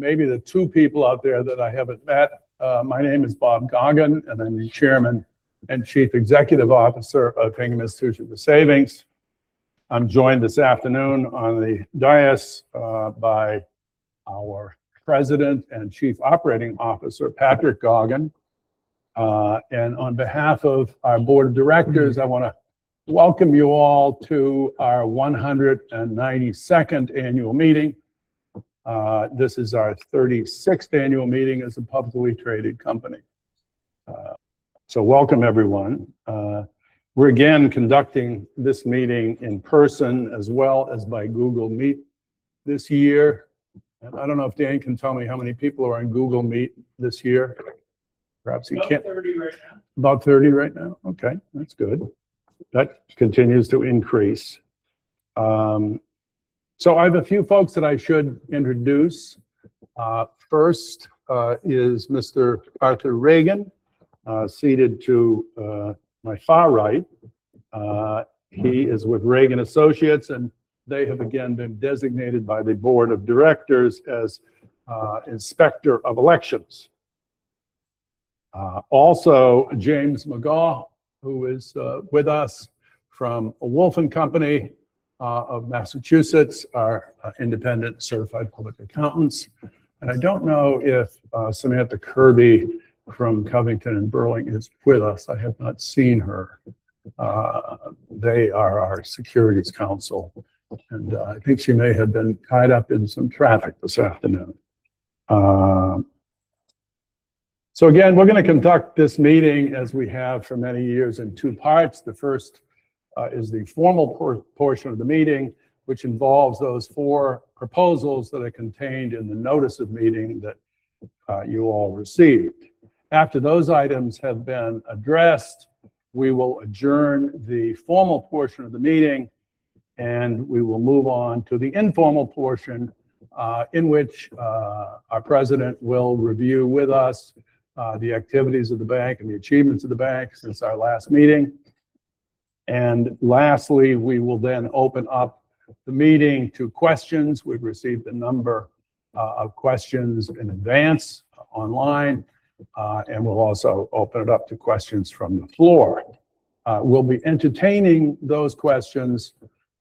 Maybe the two people out there that I haven't met, my name is Bob Gaughen and I'm the Chairman and Chief Executive Officer of Hingham Institution for Savings. I'm joined this afternoon on the dais by our President and Chief Operating Officer, Patrick Gaughen. On behalf of our Board of Directors, I wanna welcome you all to our 192nd annual meeting. This is our 36th annual meeting as a publicly traded company. Welcome everyone. We're again conducting this meeting in person as well as by Google Meet this year. I don't know if Dan can tell me how many people are on Google Meet this year. About 30 right now. About 30 right now? Okay, that's good. That continues to increase. I have a few folks that I should introduce. First, is Mr. Arthur Regan, seated to my far right. He is with Regan Associates, they have again been designated by the board of directors as Inspector of Elections. Also James McGaw, who is with us from Wolf & Company of Massachusetts, our independent certified public accountants. I don't know if Samantha Kirby from Covington & Burling is with us. I have not seen her. They are our securities counsel, I think she may have been tied up in some traffic this afternoon. Again, we're gonna conduct this meeting as we have for many years in two parts. The first is the formal portion of the meeting, which involves those four proposals that are contained in the notice of meeting that you all received. After those items have been addressed, we will adjourn the formal portion of the meeting, and we will move on to the informal portion, in which our president will review with us the activities of the bank and the achievements of the bank since our last meeting. Lastly, we will then open up the meeting to questions. We've received a number of questions in advance online, and we'll also open it up to questions from the floor. We'll be entertaining those questions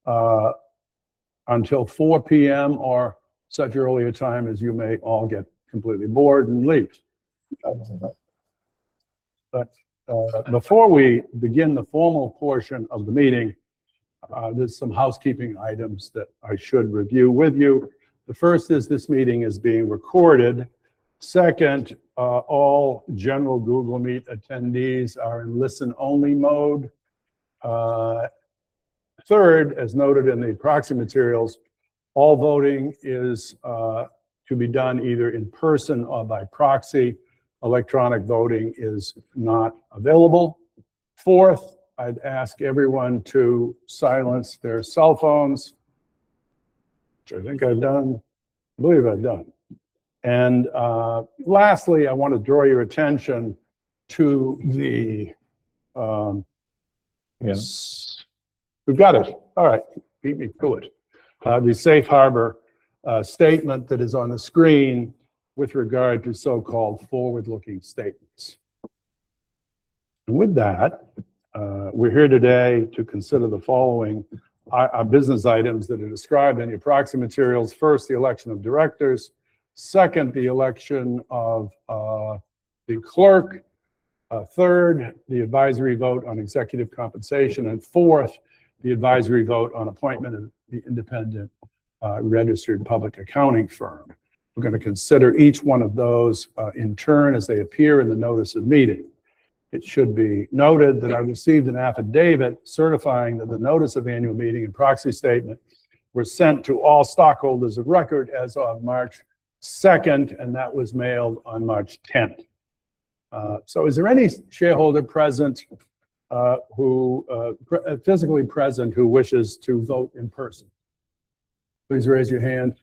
until 4:00 P.M. or such earlier time as you may all get completely bored and leave. Before we begin the formal portion of the meeting, there's some housekeeping items that I should review with you. The first is this meeting is being recorded. Second, all general Google Meet attendees are in listen-only mode. Third, as noted in the proxy materials, all voting is to be done either in person or by proxy. Electronic voting is not available. Fourth, I'd ask everyone to silence their cell phones, which I think I've done. I believe I've done. Lastly, I want to draw your attention to the. Yes. We've got it. All right. Beat me to it. The safe harbor statement that is on the screen with regard to so-called forward-looking statements. With that, we're here today to consider the following business items that are described in your proxy materials. First, the election of directors. Second, the election of the Clerk. Third, the advisory vote on executive compensation. Fourth, the advisory vote on appointment of the independent registered public accounting firm. We're gonna consider each one of those in turn as they appear in the notice of meeting. It should be noted that I received an affidavit certifying that the notice of annual meeting and proxy statement were sent to all stockholders of record as of March second, and that was mailed on March 10th. Is there any shareholder present who physically present who wishes to vote in person? Please raise your hand.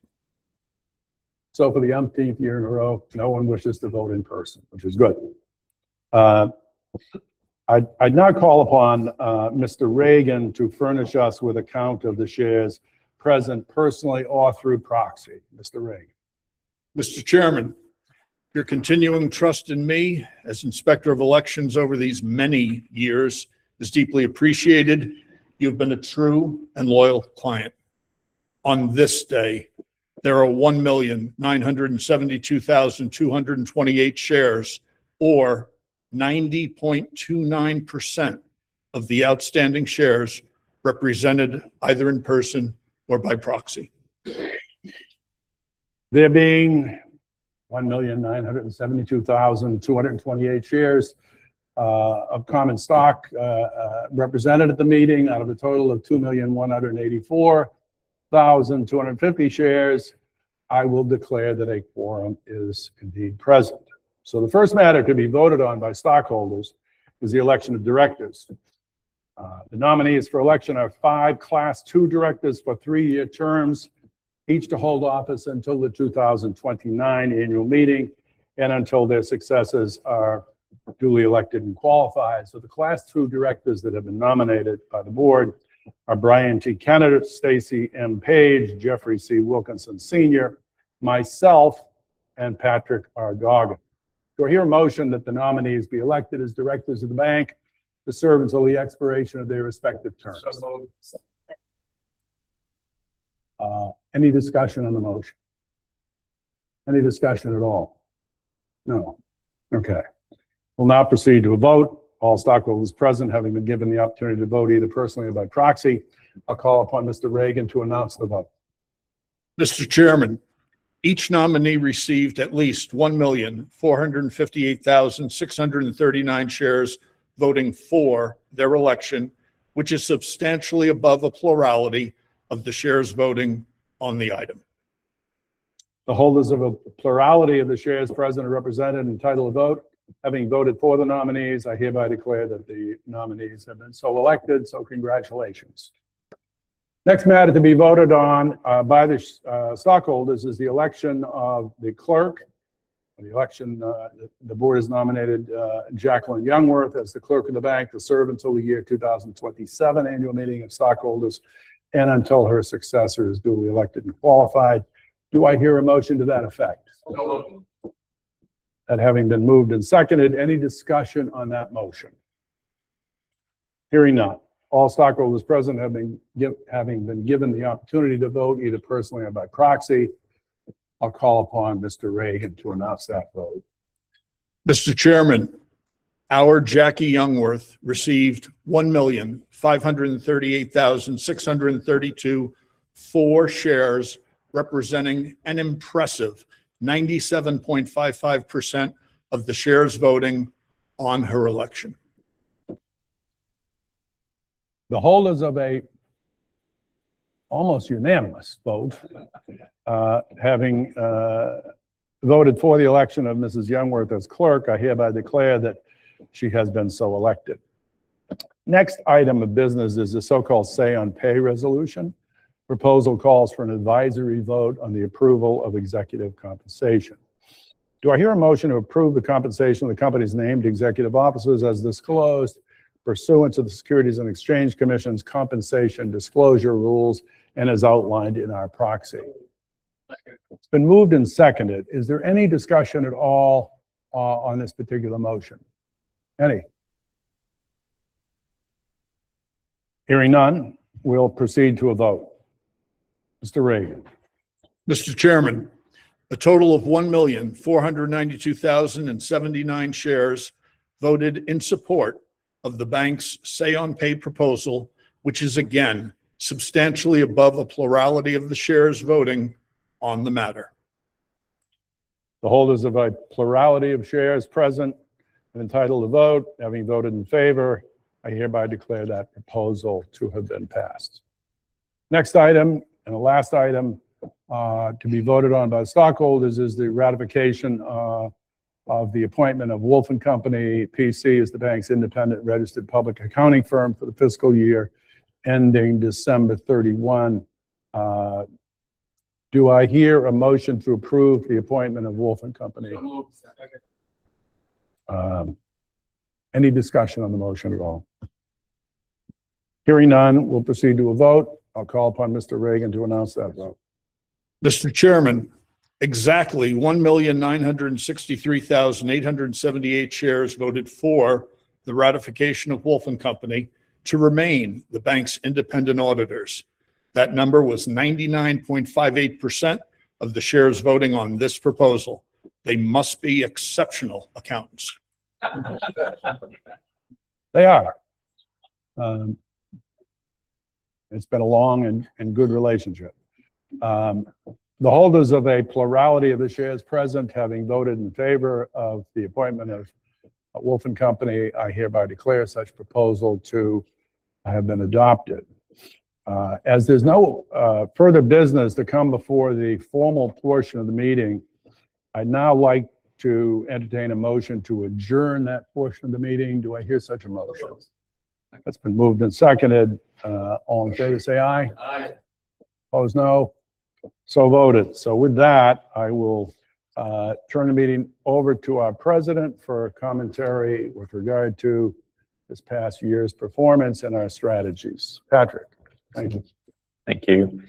For the umpteenth year in a row, no one wishes to vote in person, which is good. I'd now call upon Mr. Regan to furnish us with a count of the shares present personally or through proxy. Mr. Regan. Mr. Chairman, your continuing trust in me as Inspector of Elections over these many years is deeply appreciated. You've been a true and loyal client. On this day, there are 1,972,228 shares, or 90.29% of the outstanding shares represented either in person or by proxy. There being 1 million 972,228 shares of common stock represented at the meeting out of a total of 2 million 184,250 shares, I will declare that a quorum is indeed present. The first matter to be voted on by stockholders is the election of directors. The nominees for election are 5 Class Two directors for three year terms, each to hold office until the 2029 annual meeting. And until their successors are duly elected and qualified. The Class Two directors that have been nominated by the board are Brian T. Kenner, Stacey M. Page, Geoffrey C. Wilkinson, Sr., myself, and Patrick R. Gaughen. Do I hear a motion that the nominees be elected as directors of the bank to serve until the expiration of their respective terms? Moved. Second. Any discussion on the motion? Any discussion at all? No. Okay. We'll now proceed to a vote. All stockholders present having been given the opportunity to vote either personally or by proxy, I'll call upon Mr. Regan to announce the vote. Mr. Chairman, each nominee received at least 1,458,639 shares voting for their election, which is substantially above a plurality of the shares voting on the item. The holders of a plurality of the shares present are represented and entitled to vote. Having voted for the nominees, I hereby declare that the nominees have been so elected. Congratulations. Next matter to be voted on, by the stockholders is the election of the Clerk. The election, the board has nominated Jacqueline Youngworth as the Clerk of the Bank to serve until the year 2027 annual meeting of stockholders, until her successor is duly elected and qualified. Do I hear a motion to that effect? Moved. Second. That having been moved and seconded, any discussion on that motion? Hearing none, all stockholders present having been given the opportunity to vote either personally or by proxy, I'll call upon Mr. Regan to announce that vote. Mr. Chairman, our Jacqueline M. Youngworth received 1,538,632 shares, representing an impressive 97.55% of the shares voting on her election. The holders of a almost unanimous vote, having voted for the election of Mrs. Youngworth as clerk, I hereby declare that she has been so elected. Next item of business is the so-called say-on-pay resolution. Proposal calls for an advisory vote on the approval of executive compensation. Do I hear a motion to approve the compensation of the company's named executive officers as disclosed pursuant to the Securities and Exchange Commission's compensation disclosure rules and as outlined in our proxy? Moved. Second. It's been moved and seconded. Is there any discussion at all on this particular motion? Any? Hearing none, we'll proceed to a vote. Mr. Regan? Mr. Chairman, a total of 1,492,079 shares voted in support of the bank's say-on-pay proposal, which is again, substantially above a plurality of the shares voting on the matter. The holders of a plurality of shares present and entitled to vote, having voted in favor, I hereby declare that proposal to have been passed. Next item, and the last item, to be voted on by stockholders is the ratification of the appointment of Wolf & Company, P.C. as the bank's independent registered public accounting firm for the fiscal year ending December 31. Do I hear a motion to approve the appointment of Wolf & Company? Moved. Second. Any discussion on the motion at all? Hearing none, we'll proceed to a vote. I'll call upon Mr. Regan to announce that vote. Mr. Chairman, exactly 1,963,878 shares voted for the ratification of Wolf & Company to remain the bank's independent auditors. That number was 99.58% of the shares voting on this proposal. They must be exceptional accountants. They are. It's been a long and good relationship. The holders of a plurality of the shares present having voted in favor of the appointment of Wolf & Company, I hereby declare such proposal to have been adopted. As there's no further business to come before the formal portion of the meeting, I'd now like to entertain a motion to adjourn that portion of the meeting. Do I hear such a motion? Moved. Second. That's been moved and seconded. All in favor say aye. Aye. Aye. Opposed, no. Voted. With that, I will turn the meeting over to our President for a commentary with regard to this past year's performance and our strategies. Patrick, thank you. Thank you.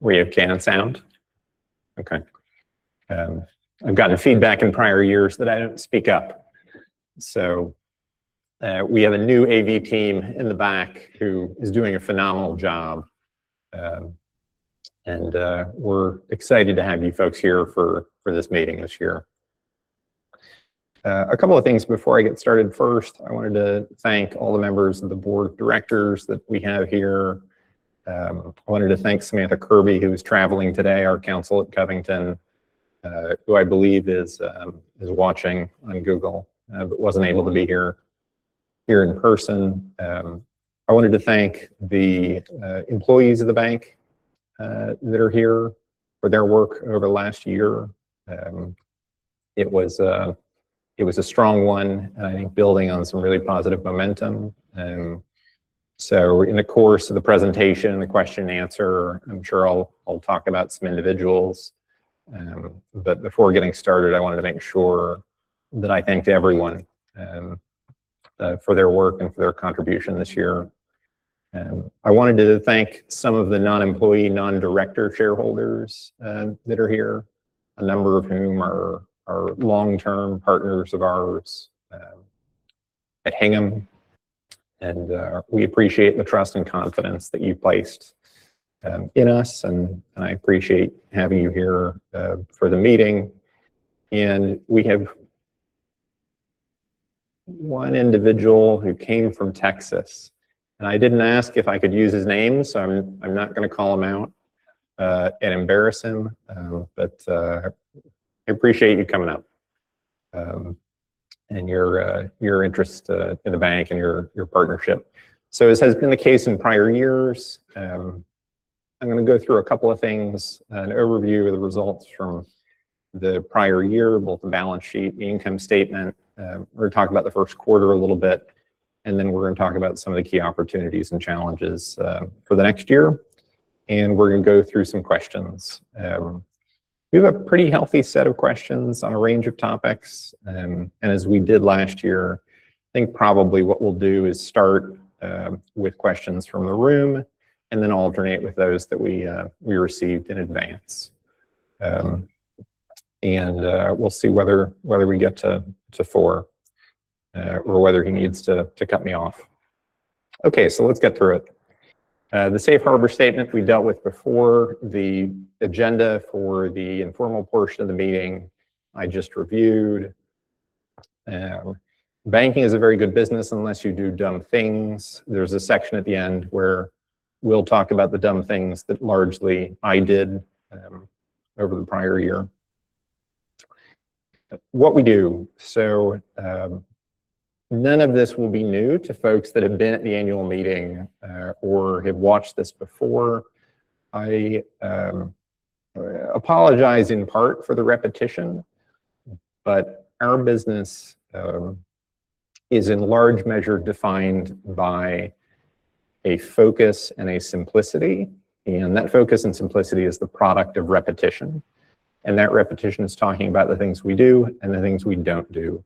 We have sound? Okay. I've gotten feedback in prior years that I don't speak up. We have a new AV team in the back who is doing a phenomenal job. We're excited to have you folks here for this meeting this year. A couple of things before I get started. First, I wanted to thank all the members of the board of directors that we have here. I wanted to thank Samantha Kirby, who's traveling today, our counsel at Covington, who I believe is watching on Google, but wasn't able to be here in person. I wanted to thank the employees of the bank that are here for their work over the last year. It was a strong one, I think building on some really positive momentum. In the course of the presentation and the question and answer, I'm sure I'll talk about some individuals. Before getting started, I wanted to make sure that I thanked everyone for their work and for their contribution this year. I wanted to thank some of the non-employee, non-director shareholders that are here, a number of whom are long-term partners of ours at Hingham. We appreciate the trust and confidence that you've placed in us, and I appreciate having you here for the meeting. We have one individual who came from Texas, and I didn't ask if I could use his name, so I'm not gonna call him out and embarrass him. I appreciate you coming up, and your interest in the bank and your partnership. As has been the case in prior years, I'm going to go through a couple of things, an overview of the results from the prior year, both the balance sheet, the income statement. We're going to talk about the first quarter a little bit. We're going to talk about some of the key opportunities and challenges for the next year. We're going to go through some questions. We have a pretty healthy set of questions on a range of topics. As we did last year, I think probably what we'll do is start with questions from the room and then alternate with those that we received in advance. We'll see whether we get to four or whether he needs to cut me off. Okay. Let's get through it. The safe harbor statement we've dealt with before. The agenda for the informal portion of the meeting I just reviewed. Banking is a very good business unless you do dumb things. There's a section at the end where we'll talk about the dumb things that largely I did over the prior year. What we do. None of this will be new to folks that have been at the annual meeting or have watched this before. I apologize in part for the repetition. Our business is in large measure defined by a focus and a simplicity. That focus and simplicity is the product of repetition. That repetition is talking about the things we do and the things we don't do.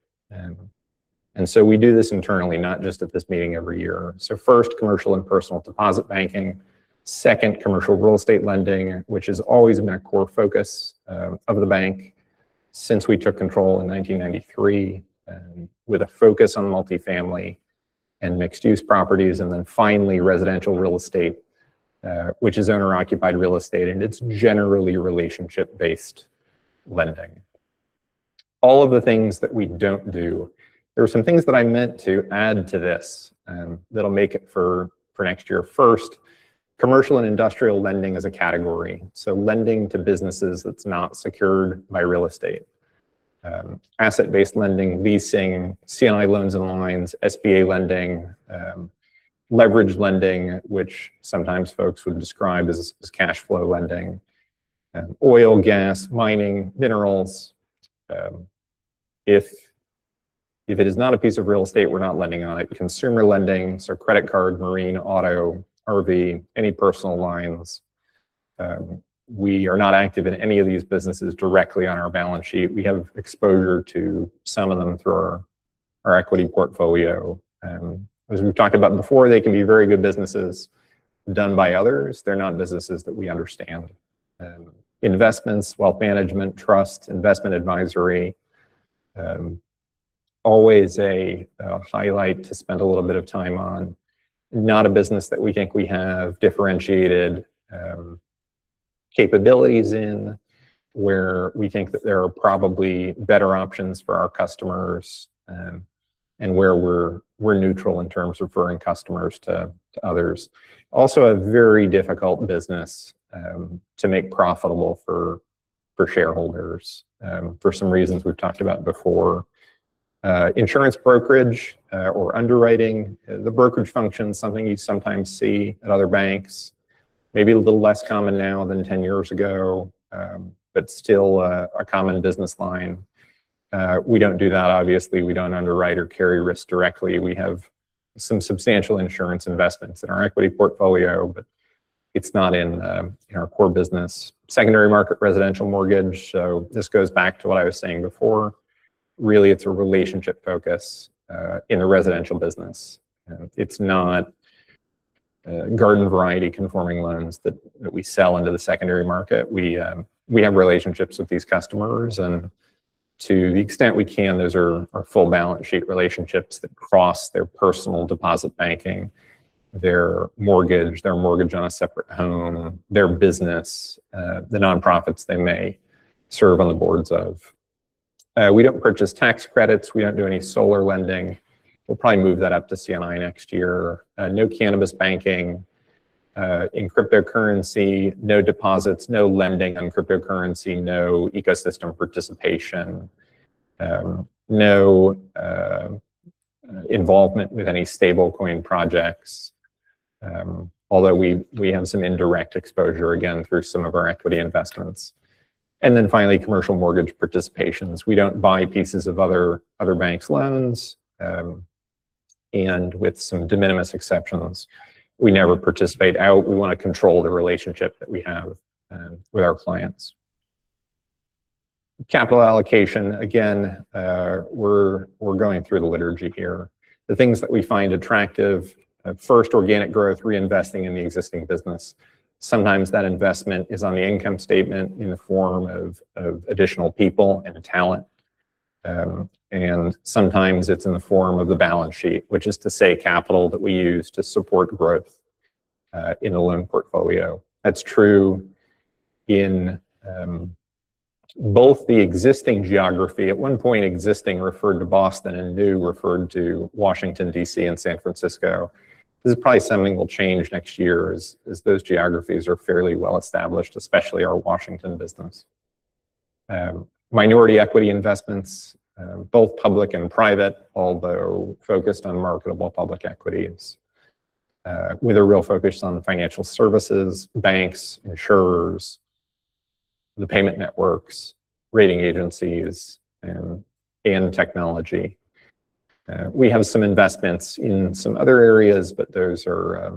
We do this internally, not just at this meeting every year. First, commercial and personal deposit banking. Second, commercial real estate lending, which has always been a core focus of the bank since we took control in 1993, with a focus on multifamily and mixed-use properties. Finally, residential real estate, which is owner-occupied real estate, and it's generally relationship-based lending. All of the things that we don't do. There were some things that I meant to add to this that'll make it for next year. First, commercial and industrial lending as a category, so lending to businesses that's not secured by real estate. Asset-based lending, leasing, C&I loans and lines, SBA lending, leverage lending, which sometimes folks would describe as cash flow lending. Oil, gas, mining, minerals. If it is not a piece of real estate, we're not lending on it. Consumer lending, so credit card, marine, auto, RV, any personal lines. We are not active in any of these businesses directly on our balance sheet. We have exposure to some of them through our equity portfolio. As we've talked about before, they can be very good businesses done by others. They're not businesses that we understand. Investments, wealth management, trust, investment advisory. Always a highlight to spend a little bit of time on. Not a business that we think we have differentiated capabilities in, where we think that there are probably better options for our customers, and where we're neutral in terms of referring customers to others. A very difficult business to make profitable for shareholders, for some reasons we've talked about before. Insurance brokerage or underwriting. The brokerage function's something you sometimes see at other banks. Maybe a little less common now than 10 years ago, but still a common business line. We don't do that, obviously. We don't underwrite or carry risk directly. We have some substantial insurance investments in our equity portfolio, but it's not in our core business. Secondary market residential mortgage. This goes back to what I was saying before. Really, it's a relationship focus in the residential business. It's not garden variety conforming loans that we sell into the secondary market. We have relationships with these customers, and to the extent we can, those are our full balance sheet relationships that cross their personal deposit banking, their mortgage, their mortgage on a separate home, their business, the nonprofits they may serve on the boards of. We don't purchase tax credits. We don't do any solar lending. We'll probably move that up to C&I next year. No cannabis banking. In cryptocurrency, no deposits, no lending on cryptocurrency, no ecosystem participation. No involvement with any stablecoin projects, although we have some indirect exposure again through some of our equity investments. Finally, commercial mortgage participations. We don't buy pieces of other banks' loans. With some de minimis exceptions, we never participate out. We wanna control the relationship that we have with our clients. Capital allocation. Again, we're going through the liturgy here. The things that we find attractive, first organic growth, reinvesting in the existing business. Sometimes that investment is on the income statement in the form of additional people and talent. Sometimes it's in the form of the balance sheet, which is to say capital that we use to support growth in the loan portfolio. That's true in both the existing geography. At one point existing referred to Boston and new referred to Washington D.C. and San Francisco. This is probably something will change next year as those geographies are fairly well established, especially our Washington business. Minority equity investments, both public and private, although focused on marketable public equities, with a real focus on the financial services, banks, insurers, the payment networks, rating agencies and technology. We have some investments in some other areas, but those are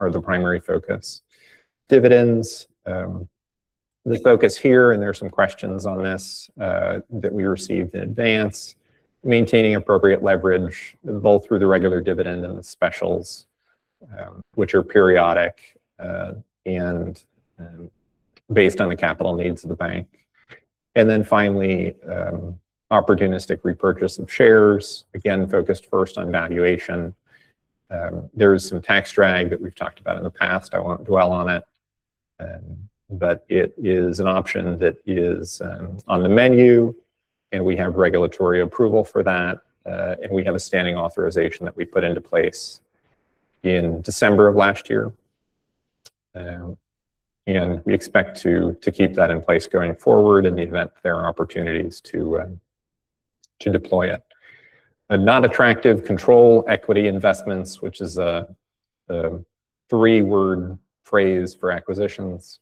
the primary focus. Dividends. The focus here, and there are some questions on this that we received in advance. Maintaining appropriate leverage both through the regular dividend and the specials, which are periodic and based on the capital needs of the bank. Finally, opportunistic repurchase of shares. Again, focused first on valuation. There's some tax drag that we've talked about in the past. I won't dwell on it. It is an option that is on the menu and we have regulatory approval for that. We have a standing authorization that we put into place in December of last year. We expect to keep that in place going forward in the event that there are opportunities to deploy it. A non-attractive control equity investments, which is a three-word phrase for acquisitions.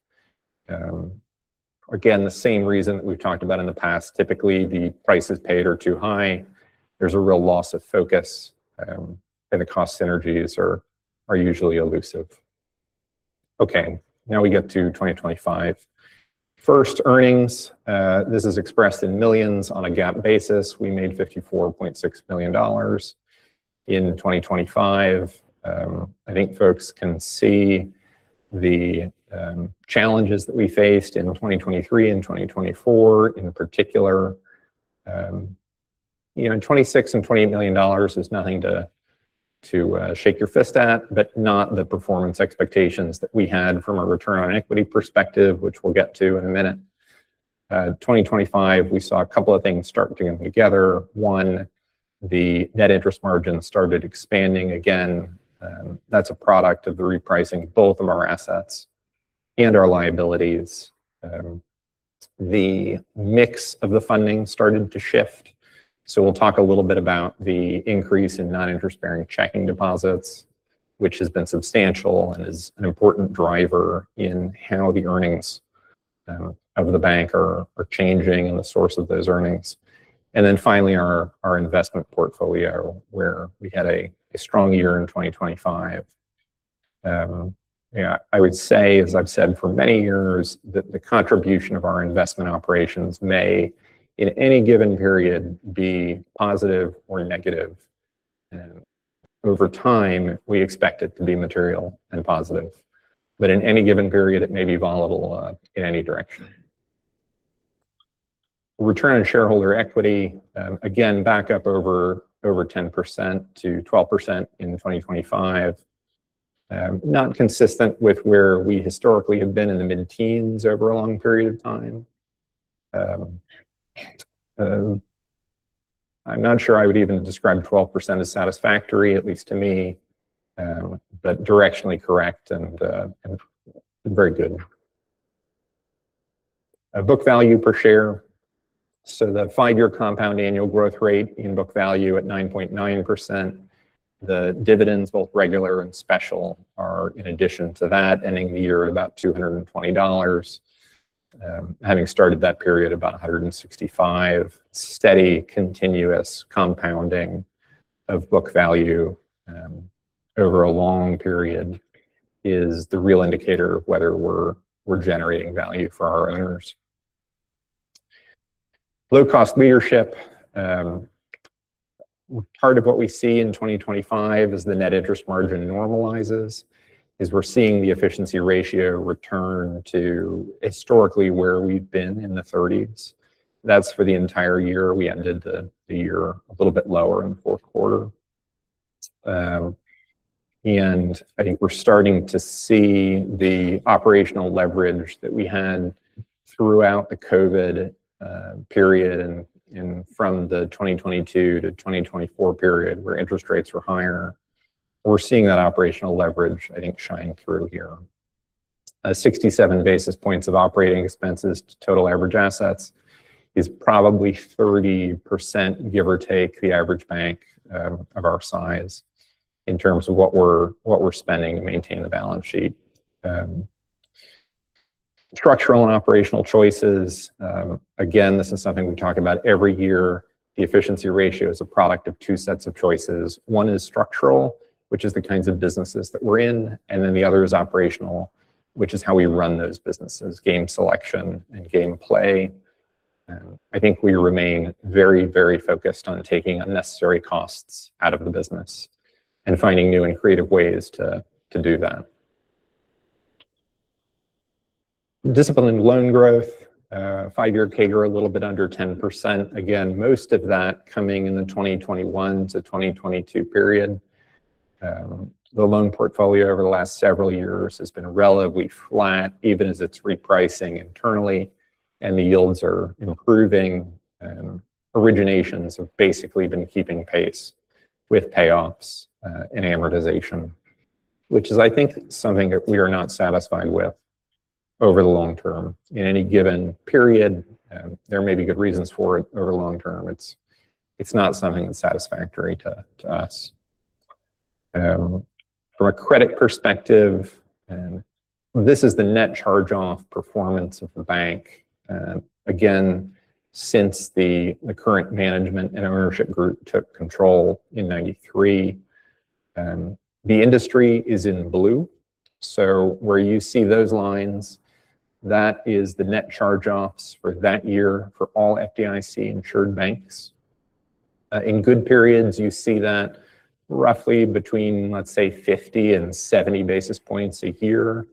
Again, the same reason that we've talked about in the past. Typically, the prices paid are too high. There's a real loss of focus, and the cost synergies are usually elusive. Okay. Now we get to 2025. First earnings. This is expressed in millions on a GAAP basis. We made $54.6 million in 2025. I think folks can see the challenges that we faced in 2023 and 2024 in particular. You know, $26 million and $28 million is nothing to shake your fist at, not the performance expectations that we had from a return on equity perspective, which we'll get to in a minute. 2025, we saw a couple of things start coming together. One, the net interest margin started expanding again. That's a product of the repricing both of our assets and our liabilities. The mix of the funding started to shift. We'll talk a little bit about the increase in non-interest-bearing checking deposits, which has been substantial and is an important driver in how the earnings of the bank are changing and the source of those earnings. Finally, our investment portfolio where we had a strong year in 2025. I would say, as I've said for many years, that the contribution of our investment operations may in any given period be positive or negative. Over time we expect it to be material and positive. In any given period it may be volatile in any direction. Return on shareholder equity. Again, back up over 10%-12% in 2025. Not consistent with where we historically have been in the mid-teens over a long period of time. I'm not sure I would even describe 12% as satisfactory, at least to me. Directionally correct and very good. Book value per share. The five-year compound annual growth rate in book value at 9.9%. The dividends, both regular and special, are in addition to that, ending the year about $220. Having started that period about $165. Steady continuous compounding of book value over a long period is the real indicator of whether we're generating value for our owners. Low-cost leadership. Part of what we see in 2025 as the Net Interest Margin normalizes is we're seeing the efficiency ratio return to historically where we've been in the 30s. That's for the entire year. We ended the year a little bit lower in the fourth quarter. And I think we're starting to see the operational leverage that we had throughout the COVID period in from the 2022 to 2024 period where interest rates were higher. We're seeing that operational leverage, I think, shine through here. 67 basis points of operating expenses to total average assets is probably 30%, give or take, the average bank of our size in terms of what we're spending to maintain the balance sheet. Structural and operational choices, again, this is something we talk about every year. The efficiency ratio is a product of two sets of choices. One is structural, which is the kinds of businesses that we're in, and then the other is operational, which is how we run those businesses, game selection and game play. I think we remain very, very focused on taking unnecessary costs out of the business and finding new and creative ways to do that. Disciplining loan growth, five-year CAGR a little bit under 10%. Most of that coming in the 2021 to 2022 period. The loan portfolio over the last several years has been relatively flat, even as it's repricing internally and the yields are improving. Originations have basically been keeping pace with payoffs and amortization, which is, I think, something that we are not satisfied with over the long-term. In any given period, there may be good reasons for it over long-term. It's not something that's satisfactory to us. From a credit perspective, this is the net charge-off performance of the bank. Since the current management and ownership group took control in 1993. The industry is in blue, where you see those lines, that is the net charge-offs for that year for all FDIC-insured banks. In good periods, you see that roughly between, let's say, 50 and 70 basis points a year.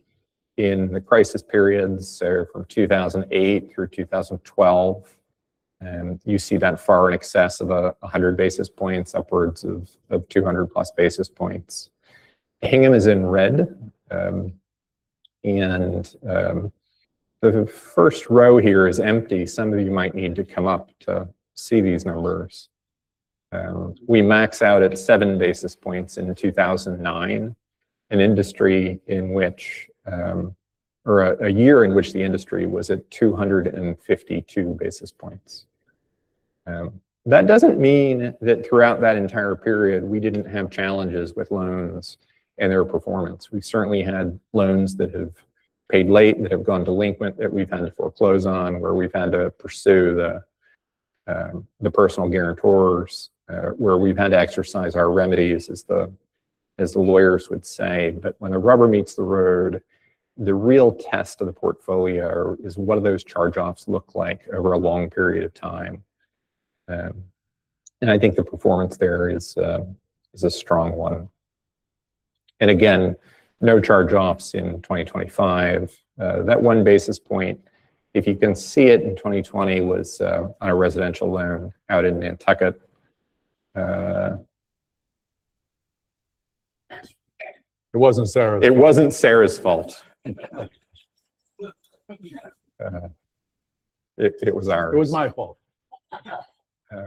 In the crisis periods, so from 2008 through 2012, you see that far in excess of 100 basis points, upwards of 200+ basis points. Hingham is in red, and the first row here is empty. Some of you might need to come up to see these numbers. We max out at 7 basis points in 2009, an industry in which or a year in which the industry was at 252 basis points. That doesn't mean that throughout that entire period we didn't have challenges with loans and their performance. We've certainly had loans that have paid late, that have gone delinquent, that we've had to foreclose on, where we've had to pursue the personal guarantors, where we've had to exercise our remedies as the, as the lawyers would say. When the rubber meets the road, the real test of the portfolio is what do those charge-offs look like over a long period of time. I think the performance there is a strong one. Again, no charge-offs in 2025. That 1 basis point, if you can see it in 2020, was on a residential loan out in Nantucket. It wasn't Sarah. It wasn't Sarah's fault. It was ours. It was my fault.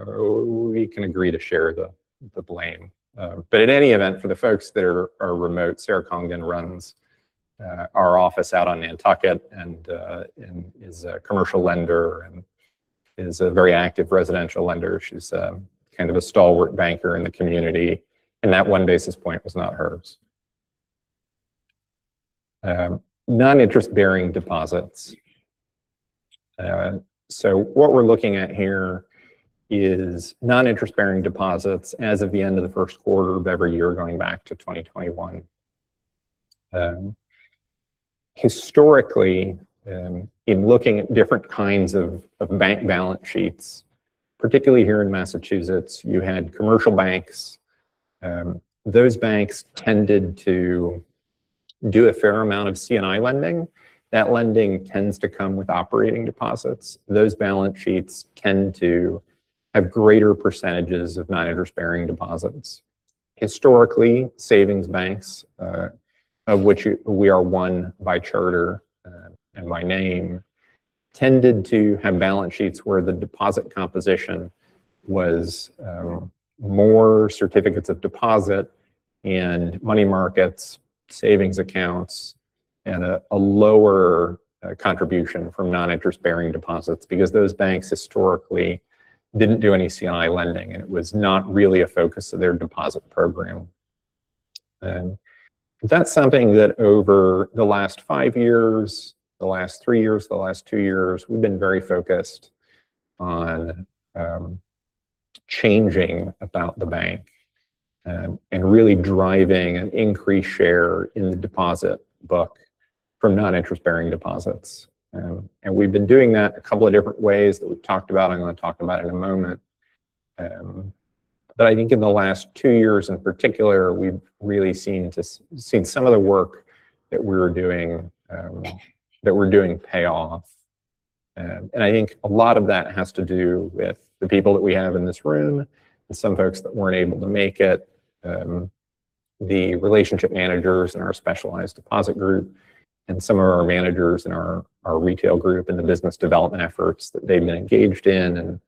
We can agree to share the blame. In any event, for the folks that are remote, Sarah Congdon runs our office out on Nantucket and is a commercial lender and is a very active residential lender. She's kind of a stalwart banker in the community, that 1 basis point was not hers. Non-interest-bearing deposits. What we're looking at here is non-interest-bearing deposits as of the end of the first quarter of every year going back to 2021. Historically, in looking at different kinds of bank balance sheets, particularly here in Massachusetts, you had commercial banks. Those banks tended to do a fair amount of C&I lending. That lending tends to come with operating deposits. Those balance sheets tend to have greater percentages of non-interest-bearing deposits. Historically, savings banks, of which we are one by charter, and by name, tended to have balance sheets where the deposit composition was more certificates of deposit and money markets, savings accounts, and a lower contribution from non-interest-bearing deposits because those banks historically didn't do any C&I lending, and it was not really a focus of their deposit program. That's something that over the last five years, the last three years, the last two years, we've been very focused on changing about the bank, and really driving an increased share in the deposit book from non-interest-bearing deposits. We've been doing that a couple of different ways that we've talked about and I'm gonna talk about in a moment. I think in the last two years in particular, we've really seen some of the work that we're doing that we're doing pay off. I think a lot of that has to do with the people that we have in this room and some folks that weren't able to make it, the relationship managers in our Specialized Deposit Group and some of our managers in our retail group and the business development efforts that they've been engaged in.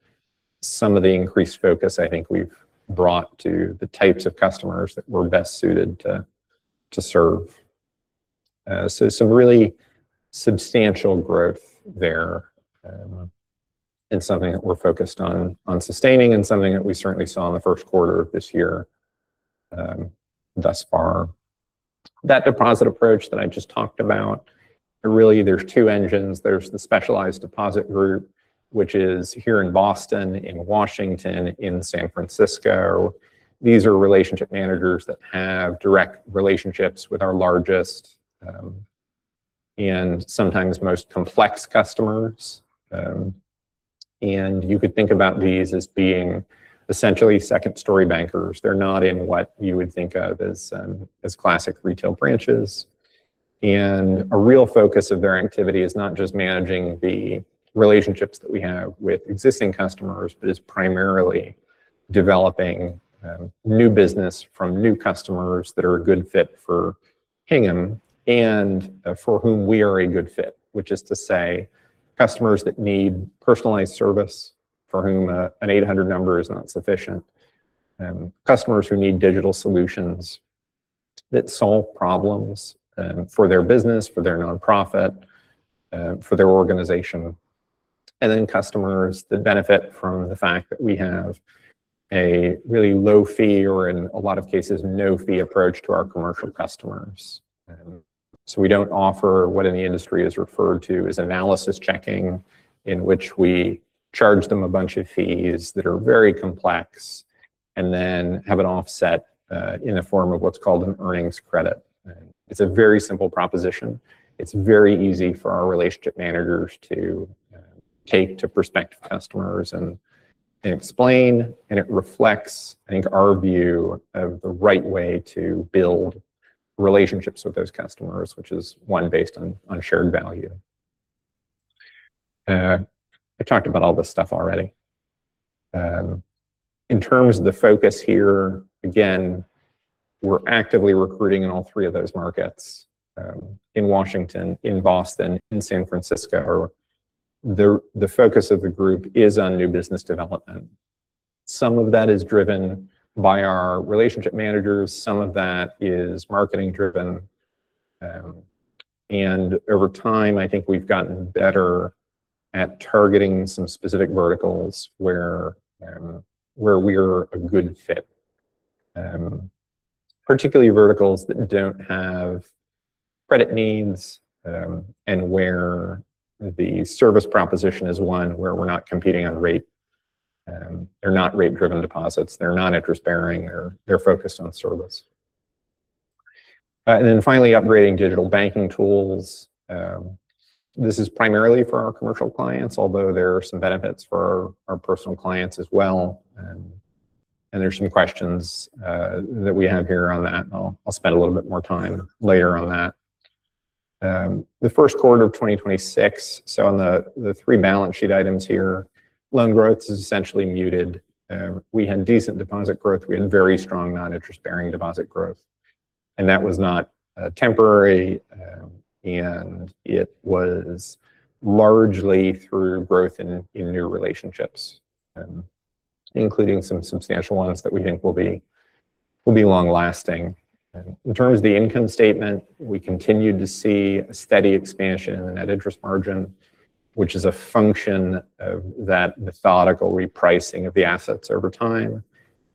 Some of the increased focus I think we've brought to the types of customers that we're best suited to serve. Some really substantial growth there, and something that we're focused on sustaining and something that we certainly saw in the first quarter of this year thus far. That deposit approach that I just talked about, really there's two engines. There's the Specialized Deposit Group, which is here in Boston, in Washington, in San Francisco. These are relationship managers that have direct relationships with our largest and sometimes most complex customers. You could think about these as being essentially second-story bankers. They're not in what you would think of as classic retail branches. A real focus of their activity is not just managing the relationships that we have with existing customers, but is primarily developing new business from new customers that are a good fit for Hingham and for whom we are a good fit. Which is to say, customers that need personalized service for whom an 800 number is not sufficient. Customers who need digital solutions that solve problems for their business, for their nonprofit, for their organization. Customers that benefit from the fact that we have a really low fee or in a lot of cases no fee approach to our commercial customers. So we don't offer what in the industry is referred to as analysis checking, in which we charge them a bunch of fees that are very complex and then have it offset in the form of what's called an earnings credit. It's a very simple proposition. It's very easy for our relationship managers to take to prospective customers and explain. It reflects, I think, our view of the right way to build relationships with those customers, which is one based on shared value. I talked about all this stuff already. In terms of the focus here, again, we're actively recruiting in all three of those markets, in Washington, in Boston, in San Francisco. The focus of the group is on new business development. Some of that is driven by our relationship managers. Some of that is marketing driven. Over time, I think we've gotten better at targeting some specific verticals where we're a good fit. Particularly verticals that don't have credit needs, and where the service proposition is one where we're not competing on rate. They're not rate-driven deposits. They're non-interest bearing. They're focused on service. Finally, upgrading digital banking tools. This is primarily for our commercial clients, although there are some benefits for our personal clients as well. There's some questions that we have here on that, I'll spend a little bit more time later on that. The first quarter of 2026, on the three balance sheet items here, loan growth is essentially muted. We had decent deposit growth. We had very strong non-interest-bearing deposit growth, that was not temporary. It was largely through growth in new relationships, including some substantial ones that we think will be long-lasting. In terms of the income statement, we continue to see a steady expansion in Net Interest Margin, which is a function of that methodical repricing of the assets over time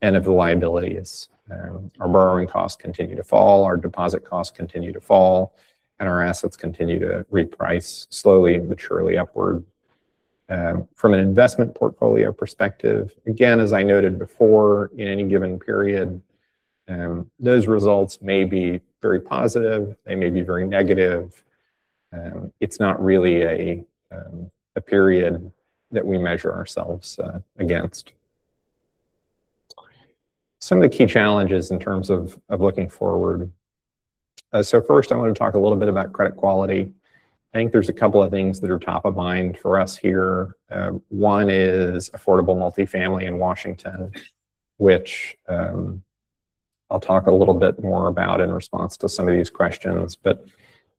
and of the liabilities. Our borrowing costs continue to fall, our deposit costs continue to fall, our assets continue to reprice slowly and maturely upward. From an investment portfolio perspective, again, as I noted before, in any given period, those results may be very positive. They may be very negative. It's not really a period that we measure ourselves against. Some of the key challenges in terms of looking forward. First I want to talk a little bit about credit quality. I think there's a couple of things that are top of mind for us here. One is affordable multifamily in Washington, which I'll talk a little bit more about in response to some of these questions.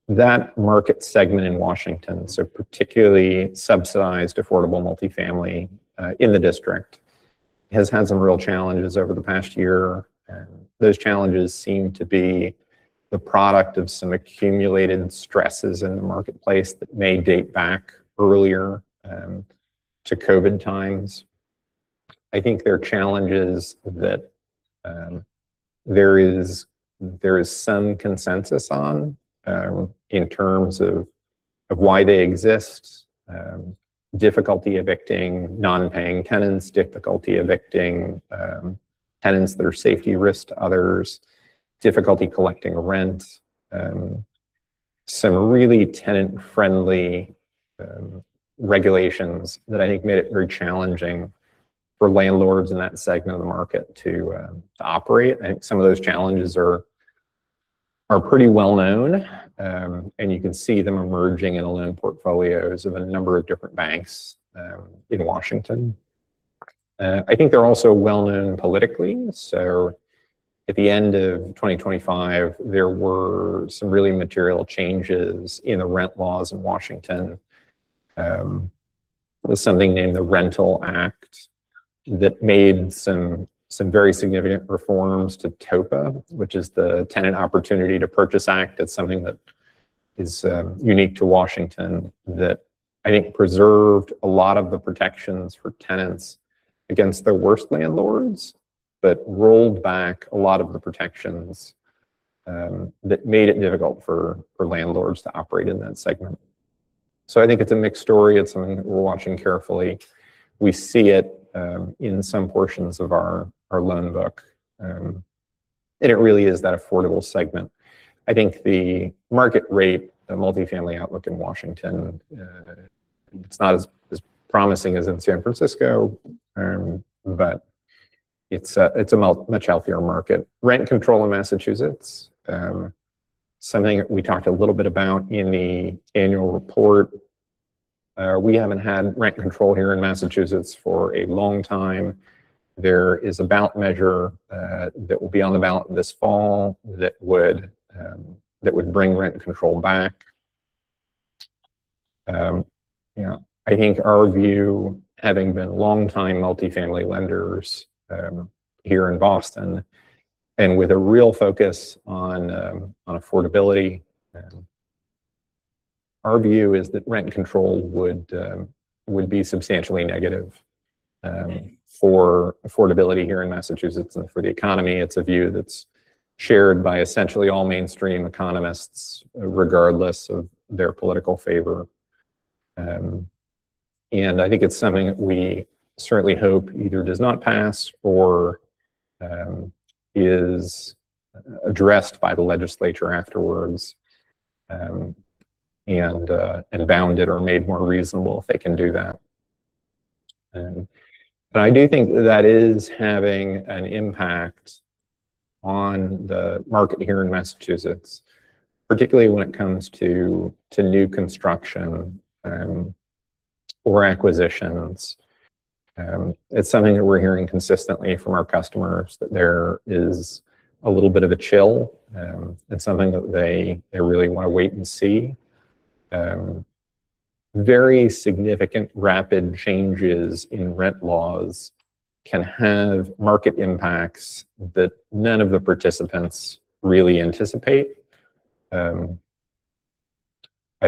That market segment in Washington, so particularly subsidized affordable multifamily, in the district, has had some real challenges over the past year. Those challenges seem to be the product of some accumulated stresses in the marketplace that may date back earlier to COVID times. I think there are challenges that there is some consensus on in terms of why they exist. Difficulty evicting non-paying tenants, difficulty evicting tenants that are safety risks to others, difficulty collecting rent. Some really tenant-friendly regulations that I think made it very challenging for landlords in that segment of the market to operate. I think some of those challenges are pretty well known. You can see them emerging in the loan portfolios of a number of different banks in Washington, D.C. I think they're also well known politically. At the end of 2025, there were some really material changes in the rent laws in Washington, D.C. It was something named the RENTAL Act that made some very significant reforms to TOPA, which is the Tenant Opportunity to Purchase Act. That's something that is unique to Washington that I think preserved a lot of the protections for tenants against their worst landlords, but rolled back a lot of the protections that made it difficult for landlords to operate in that segment. I think it's a mixed story. It's something that we're watching carefully. We see it in some portions of our loan book. It really is that affordable segment. I think the market rate, the multifamily outlook in Washington, it's not as promising as in San Francisco. It's a much healthier market. Rent control in Massachusetts, something we talked a little bit about in the annual report. We haven't had rent control here in Massachusetts for a long time. There is a ballot measure that will be on the ballot this fall that would bring rent control back. You know, I think our view, having been longtime multifamily lenders here in Boston and with a real focus on affordability, our view is that rent control would be substantially negative for affordability here in Massachusetts and for the economy. It's a view that's shared by essentially all mainstream economists, regardless of their political favor. I think it's something we certainly hope either does not pass or is addressed by the legislature afterwards and bounded or made more reasonable if they can do that. I do think that is having an impact on the market here in Massachusetts, particularly when it comes to new construction or acquisitions. It's something that we're hearing consistently from our customers that there is a little bit of a chill, and something that they really want to wait and see. Very significant rapid changes in rent laws can have market impacts that none of the participants really anticipate. I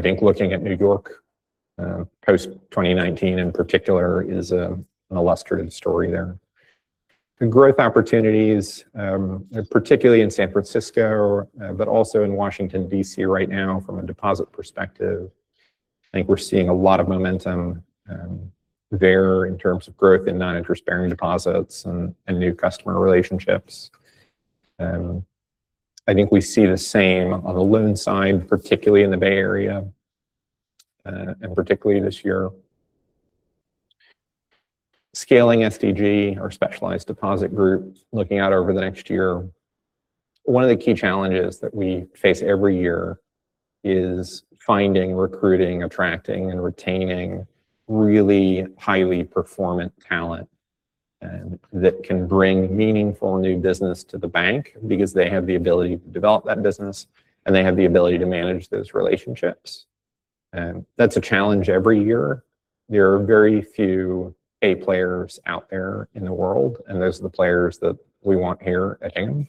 think looking at New York post 2019 in particular is an illustrative story there. The growth opportunities, particularly in San Francisco, also in Washington D.C. right now from a deposit perspective, I think we're seeing a lot of momentum there in terms of growth in non-interest bearing deposits and new customer relationships. I think we see the same on the loan side, particularly in the Bay Area, and particularly this year. Scaling SDG or Specialized Deposit Group, looking out over the next year, one of the key challenges that we face every year is finding, recruiting, attracting, and retaining really highly performant talent and that can bring meaningful new business to the bank because they have the ability to develop that business, and they have the ability to manage those relationships. That's a challenge every year. There are very few A players out there in the world, and those are the players that we want here at Hingham.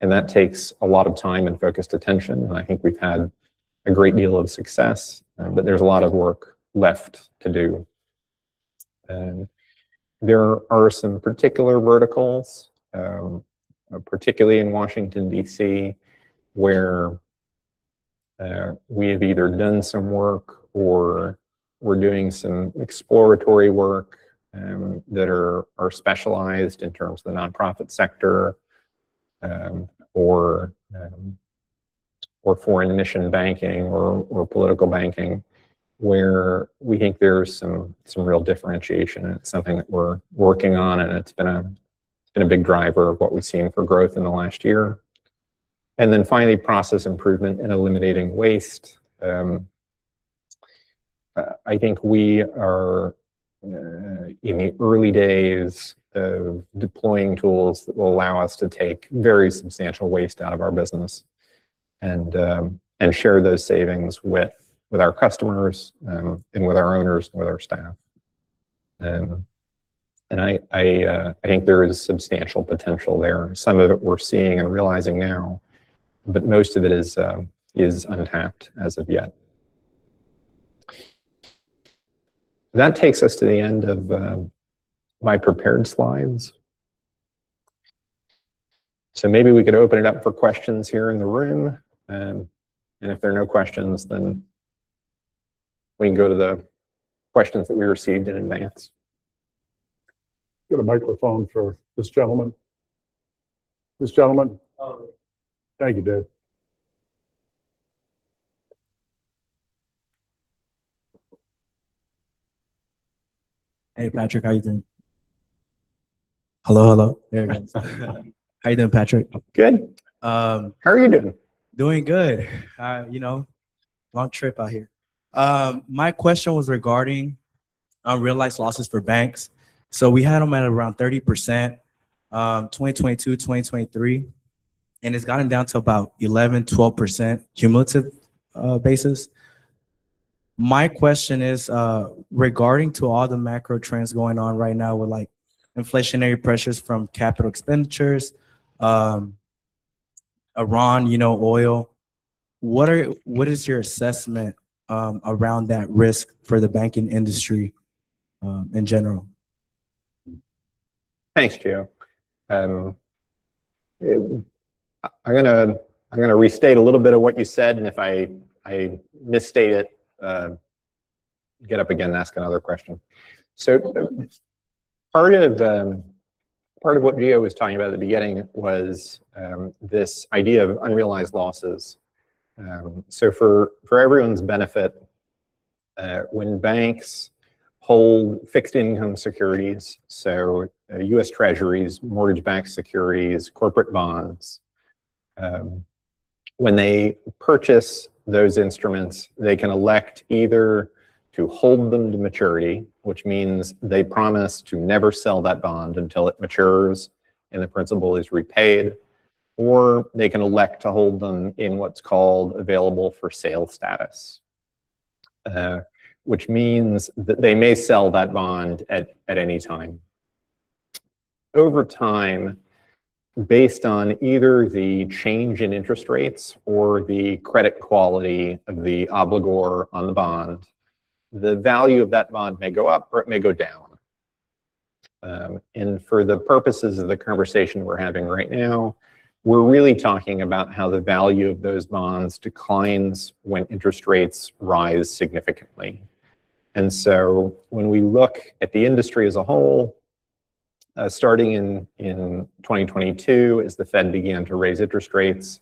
That takes a lot of time and focused attention, and I think we've had a great deal of success. There's a lot of work left to do. There are some particular verticals, particularly in Washington D.C., where we have either done some work or we're doing some exploratory work, that are specialized in terms of the nonprofit sector, or foreign mission banking or political banking, where we think there's some real differentiation. It's something that we're working on, and it's been a big driver of what we've seen for growth in the last year. Finally, process improvement and eliminating waste. I think we are in the early days of deploying tools that will allow us to take very substantial waste out of our business and share those savings with our customers, and with our owners and with our staff. I think there is substantial potential there. Some of it we're seeing and realizing now, but most of it is untapped as of yet. That takes us to the end of, my prepared slides. Maybe we could open it up for questions here in the room. If there are no questions, then we can go to the questions that we received in advance. Get a microphone for this gentleman. This gentleman. Oh. Thank you, Dave. Hey, Patrick. How you doing? Hello, hello. There we go. How you doing, Patrick? Good. How are you doing? Doing good. You know, long trip out here. My question was regarding unrealized losses for banks. We had them at around 30%, 2022, 2023, and it's gotten down to about 11, 12% cumulative basis. My question is regarding to all the macro trends going on right now with like inflationary pressures from capital expenditures, Iran, you know, oil, what are, what is your assessment around that risk for the banking industry in general? Thanks, Gio. I'm gonna restate a little bit of what you said, and if I misstate it, get up again and ask another question. Part of what Gio was talking about at the beginning was this idea of unrealized losses. For everyone's benefit, when banks hold fixed income securities, so U.S. Treasuries, mortgage-backed securities, corporate bonds, when they purchase those instruments, they can elect either to hold them to maturity, which means they promise to never sell that bond until it matures and the principal is repaid, or they can elect to hold them in what's called available for sale status, which means that they may sell that bond at any time. Over time, based on either the change in interest rates or the credit quality of the obligor on the bond, the value of that bond may go up or it may go down. For the purposes of the conversation we're having right now, we're really talking about how the value of those bonds declines when interest rates rise significantly. When we look at the industry as a whole, starting in 2022 as the Fed began to raise interest rates,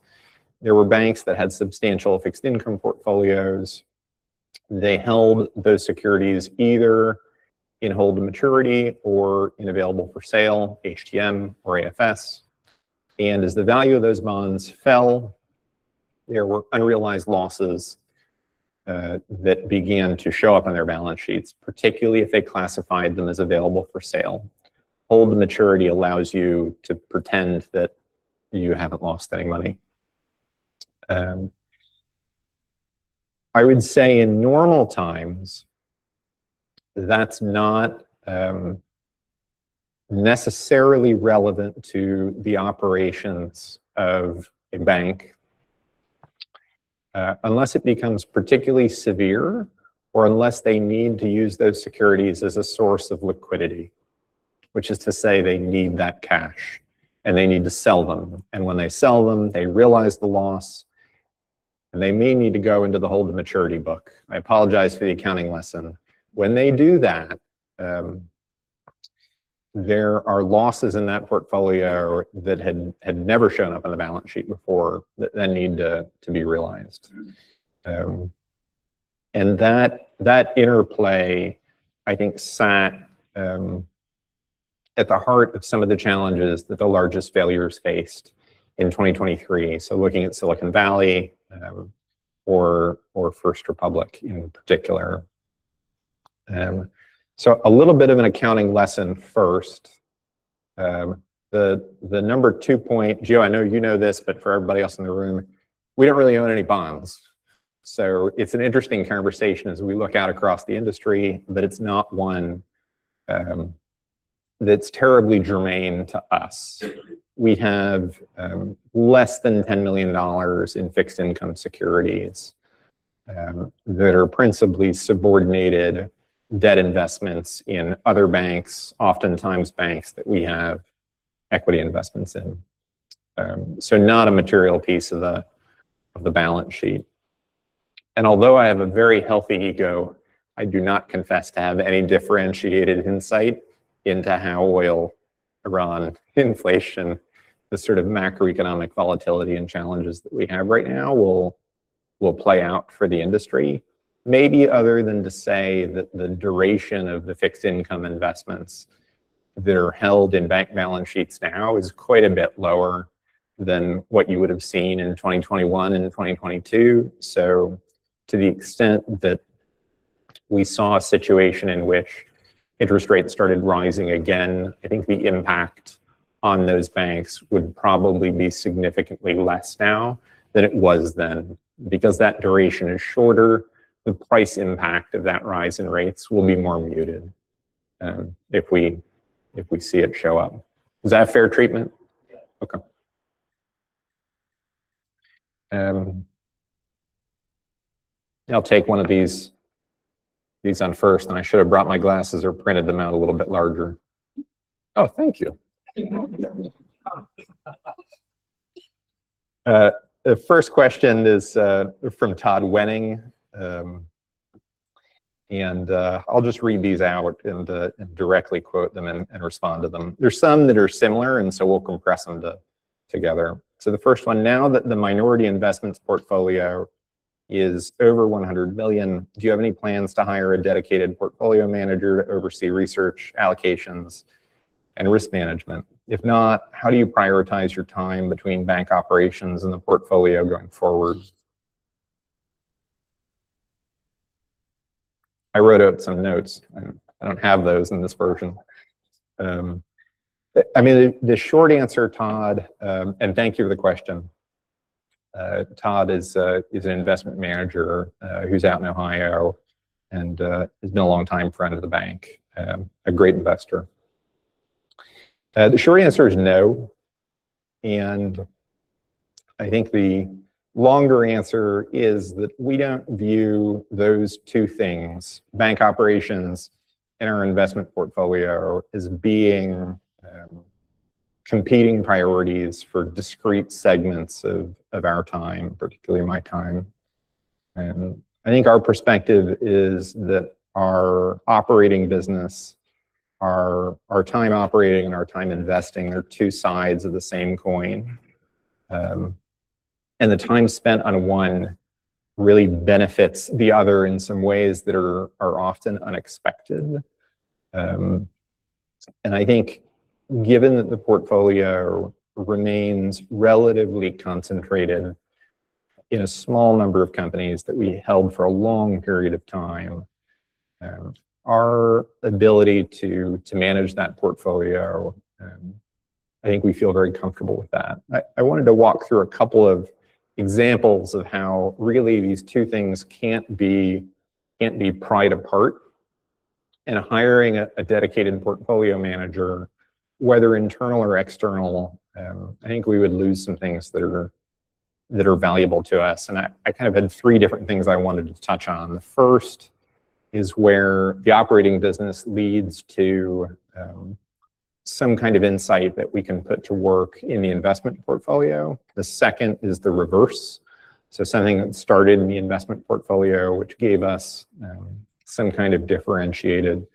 there were banks that had substantial fixed income portfolios. They held those securities either in hold to maturity or in available for sale, HTM or AFS. As the value of those bonds fell, there were unrealized losses that began to show up on their balance sheets, particularly if they classified them as available for sale. Hold to maturity allows you to pretend that you haven't lost any money. I would say in normal times, that's not necessarily relevant to the operations of a bank, unless it becomes particularly severe or unless they need to use those securities as a source of liquidity, which is to say they need that cash and they need to sell them. When they sell them, they realize the loss and they may need to go into the hold to maturity book. I apologize for the accounting lesson. When they do that, there are losses in that portfolio that had never shown up on the balance sheet before that then need to be realized. That interplay, I think, sat at the heart of some of the challenges that the largest failures faced in 2023. Looking at Silicon Valley or First Republic in particular. A little bit of an accounting lesson first. The number two point, Gio, I know you know this, but for everybody else in the room, we don't really own any bonds. It's an interesting conversation as we look out across the industry, but it's not one that's terribly germane to us. We have less than $10 million in fixed income securities that are principally subordinated debt investments in other banks, oftentimes banks that we have equity investments in. Not a material piece of the balance sheet. Although I have a very healthy ego, I do not confess to have any differentiated insight into how oil, Iran, inflation, the sort of macroeconomic volatility and challenges that we have right now will play out for the industry. Maybe other than to say that the duration of the fixed income investments that are held in bank balance sheets now is quite a bit lower than what you would have seen in 2021 and 2022. To the extent that we saw a situation in which interest rates started rising again, I think the impact on those banks would probably be significantly less now than it was then. Because that duration is shorter, the price impact of that rise in rates will be more muted, if we see it show up. Was that fair treatment? Yeah. Okay. I'll take one of these on first, and I should have brought my glasses or printed them out a little bit larger. Oh, thank you. The first question is from Todd Wenning. I'll just read these out and directly quote them and respond to them. There's some that are similar, and so we'll compress them together. The first one, now that the minority investments portfolio is over $100 million, do you have any plans to hire a dedicated portfolio manager to oversee research allocations and risk management? If not, how do you prioritize your time between bank operations and the portfolio going forward? I wrote out some notes. I don't have those in this version. I mean, the short answer, Todd, and thank you for the question. Todd is an investment manager who's out in Ohio and has been a long time friend of the bank, a great investor. The short answer is no, and I think the longer answer is that we don't view those two things, bank operations and our investment portfolio, as being competing priorities for discrete segments of our time, particularly my time. I think our perspective is that our operating business, our time operating and our time investing are two sides of the same coin. The time spent on one really benefits the other in some ways that are often unexpected. I think given that the portfolio remains relatively concentrated in a small number of companies that we held for a long period of time, our ability to manage that portfolio, I think we feel very comfortable with that. I wanted to walk through a couple of examples of how really these two things can't be pried apart. In hiring a dedicated portfolio manager, whether internal or external, I think we would lose some things that are valuable to us. I kind of had three different things I wanted to touch on. The first is where the operating business leads to some kind of insight that we can put to work in the investment portfolio. The second is the reverse. Something that started in the investment portfolio, which gave us some kind of differentiated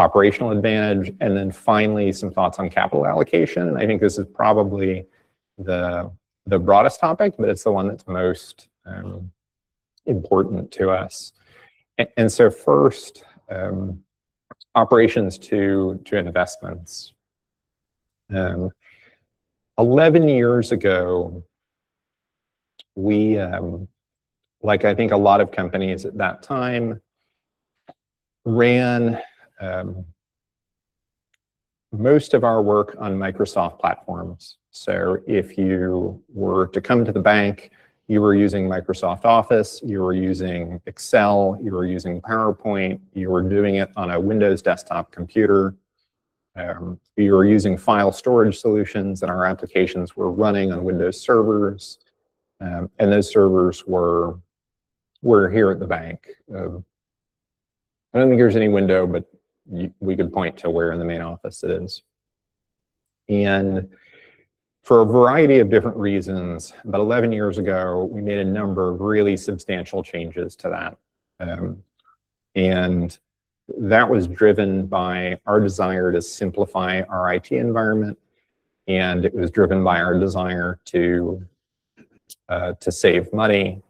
operational advantage. Then finally, some thoughts on capital allocation. I think this is probably the broadest topic, but it's the one that's most important to us. First, operations to investments. 11 years ago, we like I think a lot of companies at that time, ran most of our work on Microsoft platforms. If you were to come to the bank, you were using Microsoft Office, you were using Excel, you were using PowerPoint, you were doing it on a Windows desktop computer. You were using file storage solutions, and our applications were running on Windows servers. Those servers were here at the bank. I don't think there's any window, but we could point to where in the main office it is. For a variety of different reasons, about 11 years ago, we made a number of really substantial changes to that. That was driven by our desire to simplify our IT environment, and it was driven by our desire to save money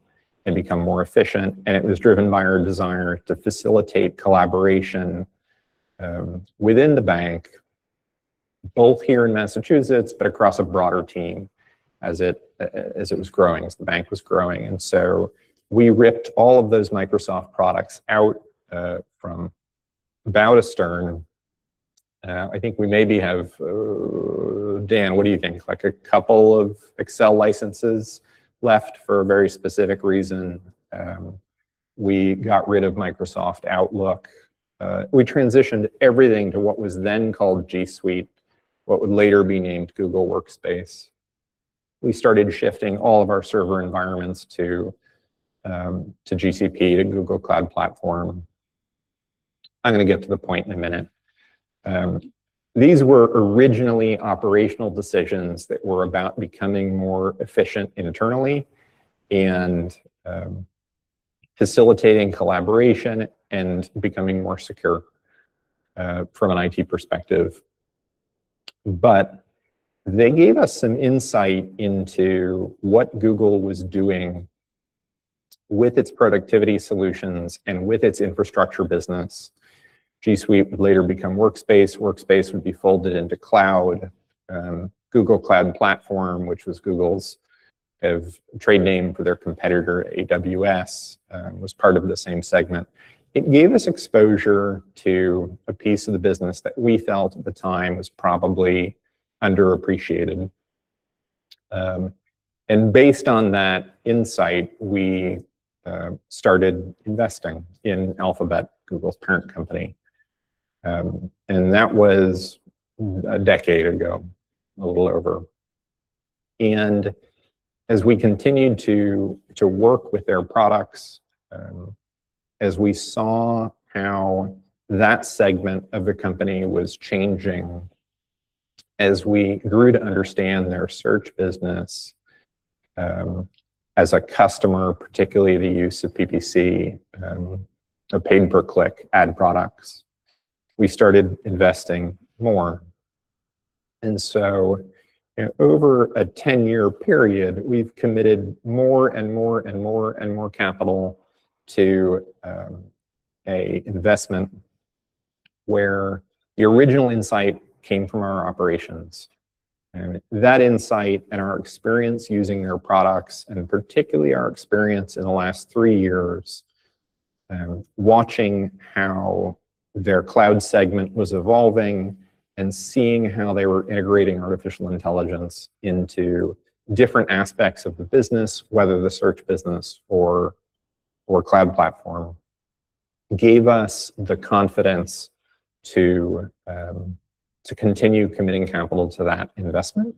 and become more efficient. It was driven by our desire to facilitate collaboration within the bank, both here in Massachusetts, but across a broader team as it was growing, as the bank was growing. We ripped all of those Microsoft products out from bow to stern. I think we maybe have, Dan, what do you think? Like a couple of Excel licenses left for a very specific reason. We got rid of Microsoft Outlook. We transitioned everything to what was then called G Suite, what would later be named Google Workspace. We started shifting all of our server environments to GCP, to Google Cloud Platform. I'm gonna get to the point in a minute. These were originally operational decisions that were about becoming more efficient internally and facilitating collaboration and becoming more secure from an IT perspective. They gave us some insight into what Google was doing with its productivity solutions and with its infrastructure business. G Suite would later become Workspace. Workspace would be folded into Cloud. Google Cloud Platform, which was Google's kind of trade name for their competitor, AWS, was part of the same segment. It gave us exposure to a piece of the business that we felt at the time was probably underappreciated. based on that insight, we started investing in Alphabet, Google's parent company. that was a decade ago, a little over. as we continued to work with their products, as we saw how that segment of the company was changing, as we grew to understand their search business, as a customer, particularly the use of PPC, or pay-per-click ad products, we started investing more. Over a 10-year period, we've committed more and more and more and more capital to a investment where the original insight came from our operations. That insight and our experience using their products, and particularly our experience in the last three years watching how their cloud segment was evolving and seeing how they were integrating artificial intelligence into different aspects of the business, whether the search business or cloud platform, gave us the confidence to continue committing capital to that investment.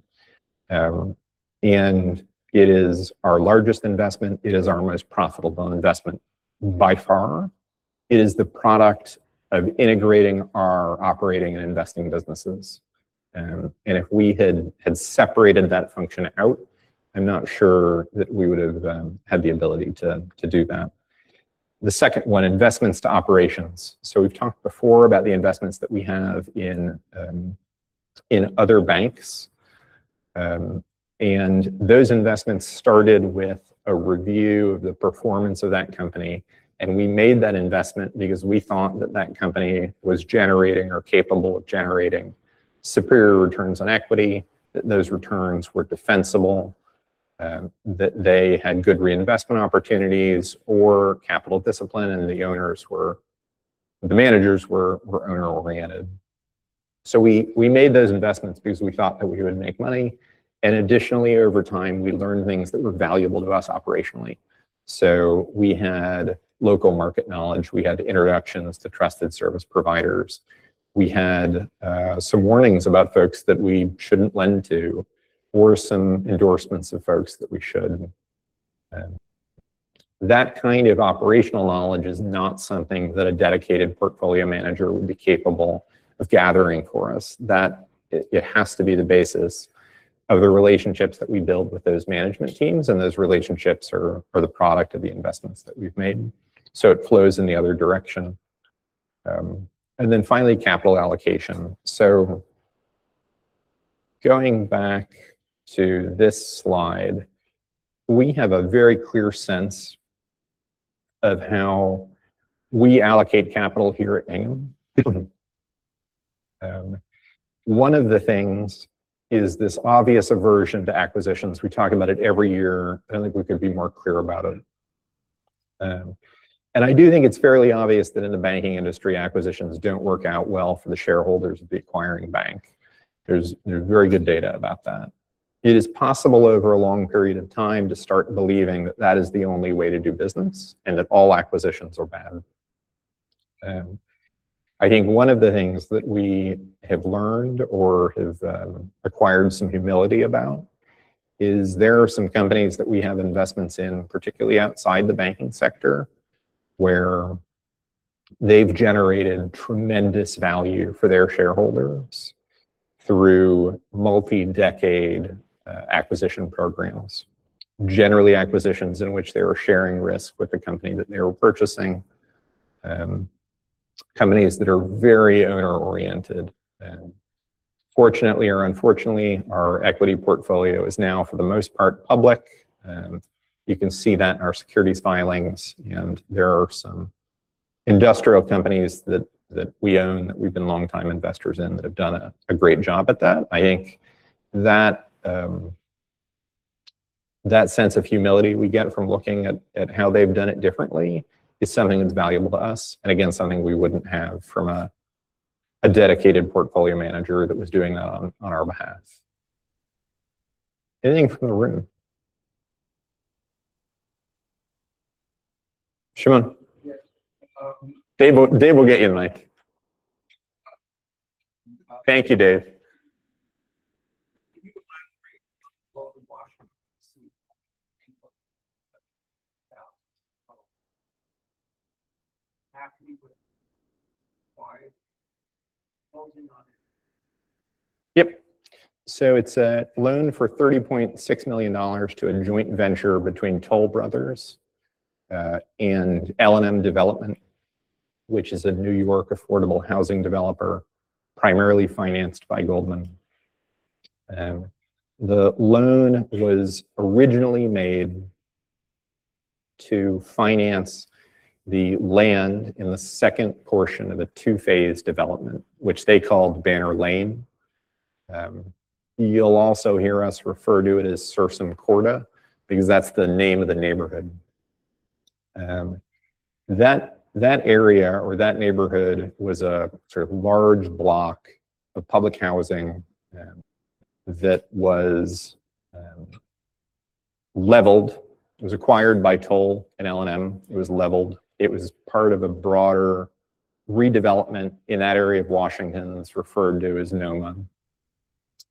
It is our largest investment. It is our most profitable investment by far. It is the product of integrating our operating and investing businesses. If we had separated that function out, I'm not sure that we would have had the ability to do that. The second one, investments to operations. We've talked before about the investments that we have in other banks. Those investments started with a review of the performance of that company. We made that investment because we thought that that company was generating or capable of generating superior returns on equity, that those returns were defensible, that they had good reinvestment opportunities or capital discipline, and the owners were the managers were owner-oriented. We made those investments because we thought that we would make money. Additionally, over time, we learned things that were valuable to us operationally. We had local market knowledge. We had introductions to trusted service providers. We had some warnings about folks that we shouldn't lend to or some endorsements of folks that we should. That kind of operational knowledge is not something that a dedicated portfolio manager would be capable of gathering for us. That it has to be the basis of the relationships that we build with those management teams, and those relationships are the product of the investments that we've made. It flows in the other direction. Finally, capital allocation. Going back to this slide, we have a very clear sense of how we allocate capital here at Hingham. One of the things is this obvious aversion to acquisitions. We talk about it every year. I don't think we could be more clear about it. I do think it's fairly obvious that in the banking industry, acquisitions don't work out well for the shareholders of the acquiring bank. There's, you know, very good data about that. It is possible over a long period of time to start believing that is the only way to do business and that all acquisitions are bad. I think one of the things that we have learned or have acquired some humility about is there are some companies that we have investments in, particularly outside the banking sector, where they've generated tremendous value for their shareholders through multi-decade acquisition programs. Generally, acquisitions in which they were sharing risk with the company that they were purchasing. Companies that are very owner-oriented. Fortunately or unfortunately, our equity portfolio is now for the most part public. You can see that in our securities filings. There are some industrial companies that we own that we've been longtime investors in that have done a great job at that. I think that that sense of humility we get from looking at how they've done it differently is something that's valuable to us and again, something we wouldn't have from a dedicated portfolio manager that was doing that on our behalf. Anything from the room? Shimon. Yes. Dave will get you a mic. Thank you, Dave. Can you elaborate on the Washington D.C. input that you have? After you put closing on it. Yep. It's a loan for $30.6 million to a joint venture between Toll Brothers and L&M Development, which is a New York affordable housing developer primarily financed by Goldman. The loan was originally made to finance the land in the second portion of a two-phase development, which they called Banner Lane. You'll also hear us refer to it as Sursum Corda because that's the name of the neighborhood. That area or that neighborhood was a sort of large block of public housing that was leveled. It was acquired by Toll and L&M. It was leveled. It was part of a broader redevelopment in that area of Washington that's referred to as NoMa.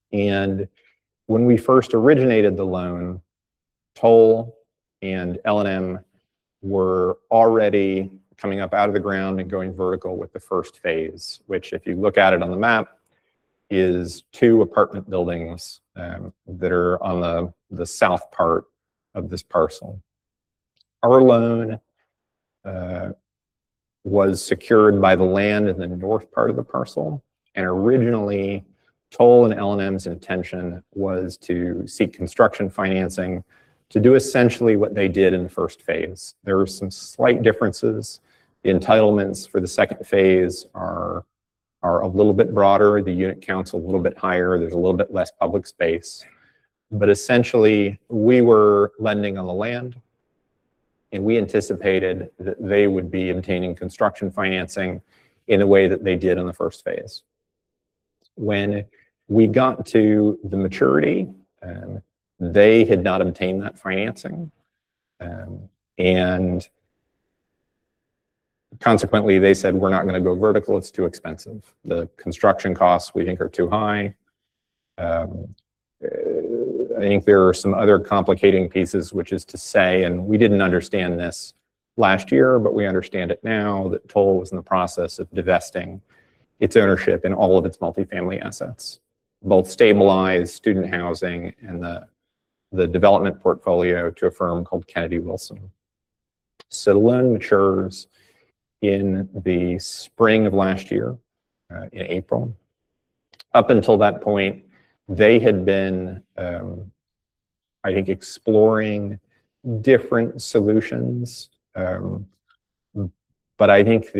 when we first originated the loan, Toll and L&M were already coming up out of the ground and going vertical with the first phase, which if you look at it on the map, is two apartment buildings, that are on the south part of this parcel. Our loan was secured by the land in the north part of the parcel. Originally, Toll and L&M's intention was to seek construction financing to do essentially what they did in the first phase. There were some slight differences. The entitlements for the second phase are a little bit broader, the unit count's a little bit higher, there's a little bit less public space. Essentially, we were lending on the land, and we anticipated that they would be obtaining construction financing in the way that they did in the first phase. When we got to the maturity, they had not obtained that financing, and consequently they said, "We're not gonna go vertical. It's too expensive. The construction costs, we think, are too high." I think there are some other complicating pieces which is to say, we didn't understand this last year but we understand it now, that Toll was in the process of divesting its ownership in all of its multifamily assets, both stabilized student housing and the development portfolio to a firm called Kennedy Wilson. The loan matures in the spring of last year, in April. Up until that point, they had been, I think exploring different solutions. I think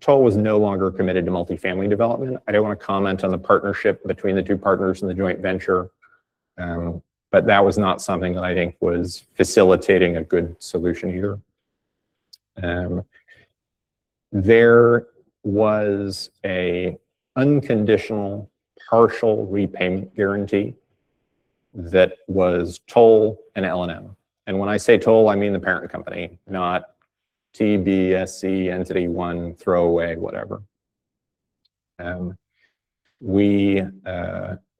Toll was no longer committed to multifamily development. I don't wanna comment on the partnership between the two partners in the joint venture, but that was not something that I think was facilitating a good solution here. There was a unconditional partial repayment guarantee that was Toll and L&M. When I say Toll, I mean the parent company, not TBSC, Entity One, Throwaway, whatever. We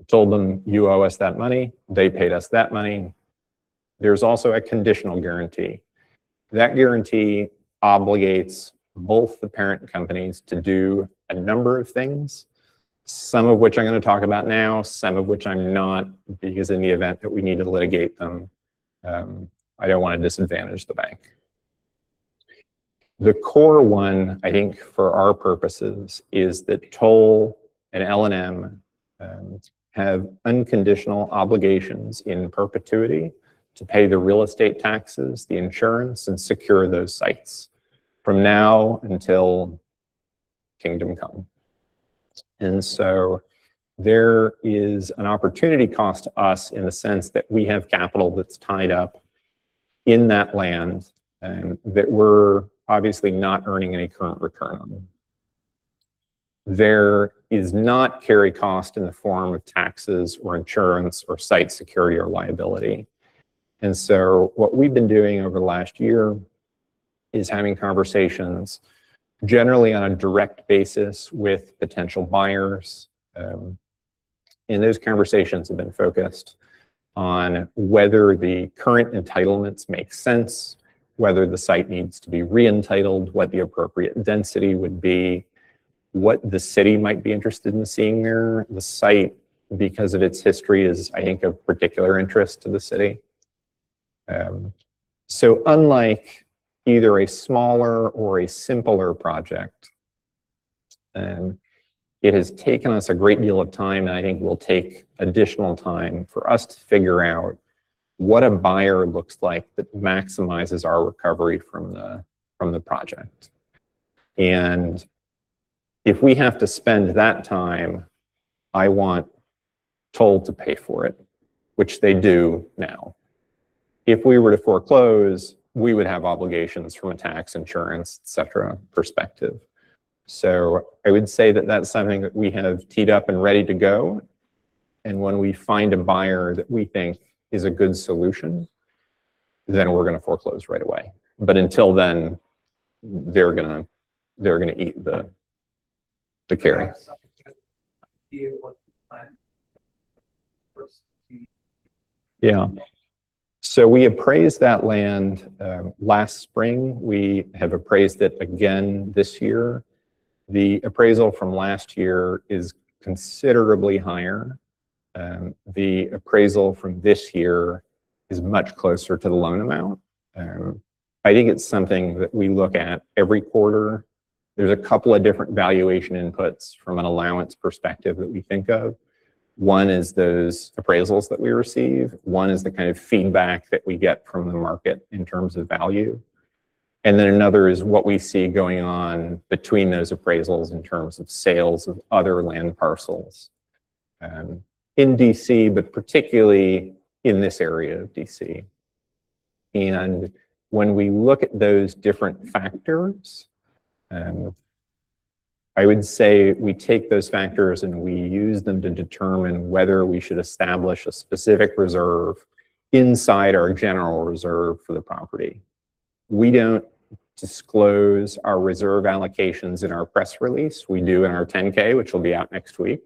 told them, "You owe us that money." They paid us that money. There's also a conditional guarantee. That guarantee obligates both the parent companies to do a number of things, some of which I'm gonna talk about now, some of which I'm not because in the event that we need to litigate them, I don't wanna disadvantage the bank. The core one, I think, for our purposes is that Toll and L&M have unconditional obligations in perpetuity to pay the real estate taxes, the insurance, and secure those sites from now until kingdom come. There is an opportunity cost to us in the sense that we have capital that's tied up in that land and that we're obviously not earning any current return on. There is not carry cost in the form of taxes or insurance or site security or liability. What we've been doing over the last year is having conversations, generally on a direct basis, with potential buyers. Those conversations have been focused on whether the current entitlements make sense, whether the site needs to be re-entitled, what the appropriate density would be, what the city might be interested in seeing there. The site, because of its history, is I think of particular interest to the city. Unlike either a smaller or a simpler project, it has taken us a great deal of time and I think will take additional time for us to figure out what a buyer looks like that maximizes our recovery from the project. If we have to spend that time, I want Toll to pay for it, which they do now. If we were to foreclose, we would have obligations from a tax, insurance, et cetera, perspective. I would say that that's something that we have teed up and ready to go, and when we find a buyer that we think is a good solution, then we're gonna foreclose right away. Until then, they're gonna eat the carry. Yeah. We appraised that land last spring. We have appraised it again this year. The appraisal from last year is considerably higher. The appraisal from this year is much closer to the loan amount. I think it's something that we look at every quarter. There's a couple of different valuation inputs from an allowance perspective that we think of. One is those appraisals that we receive, one is the kind of feedback that we get from the market in terms of value, another is what we see going on between those appraisals in terms of sales of other land parcels in D.C., but particularly in this area of D.C. When we look at those different factors, I would say we take those factors and we use them to determine whether we should establish a specific reserve inside our general reserve for the property. We don't disclose our reserve allocations in our press release. We do in our 10-K, which will be out next week.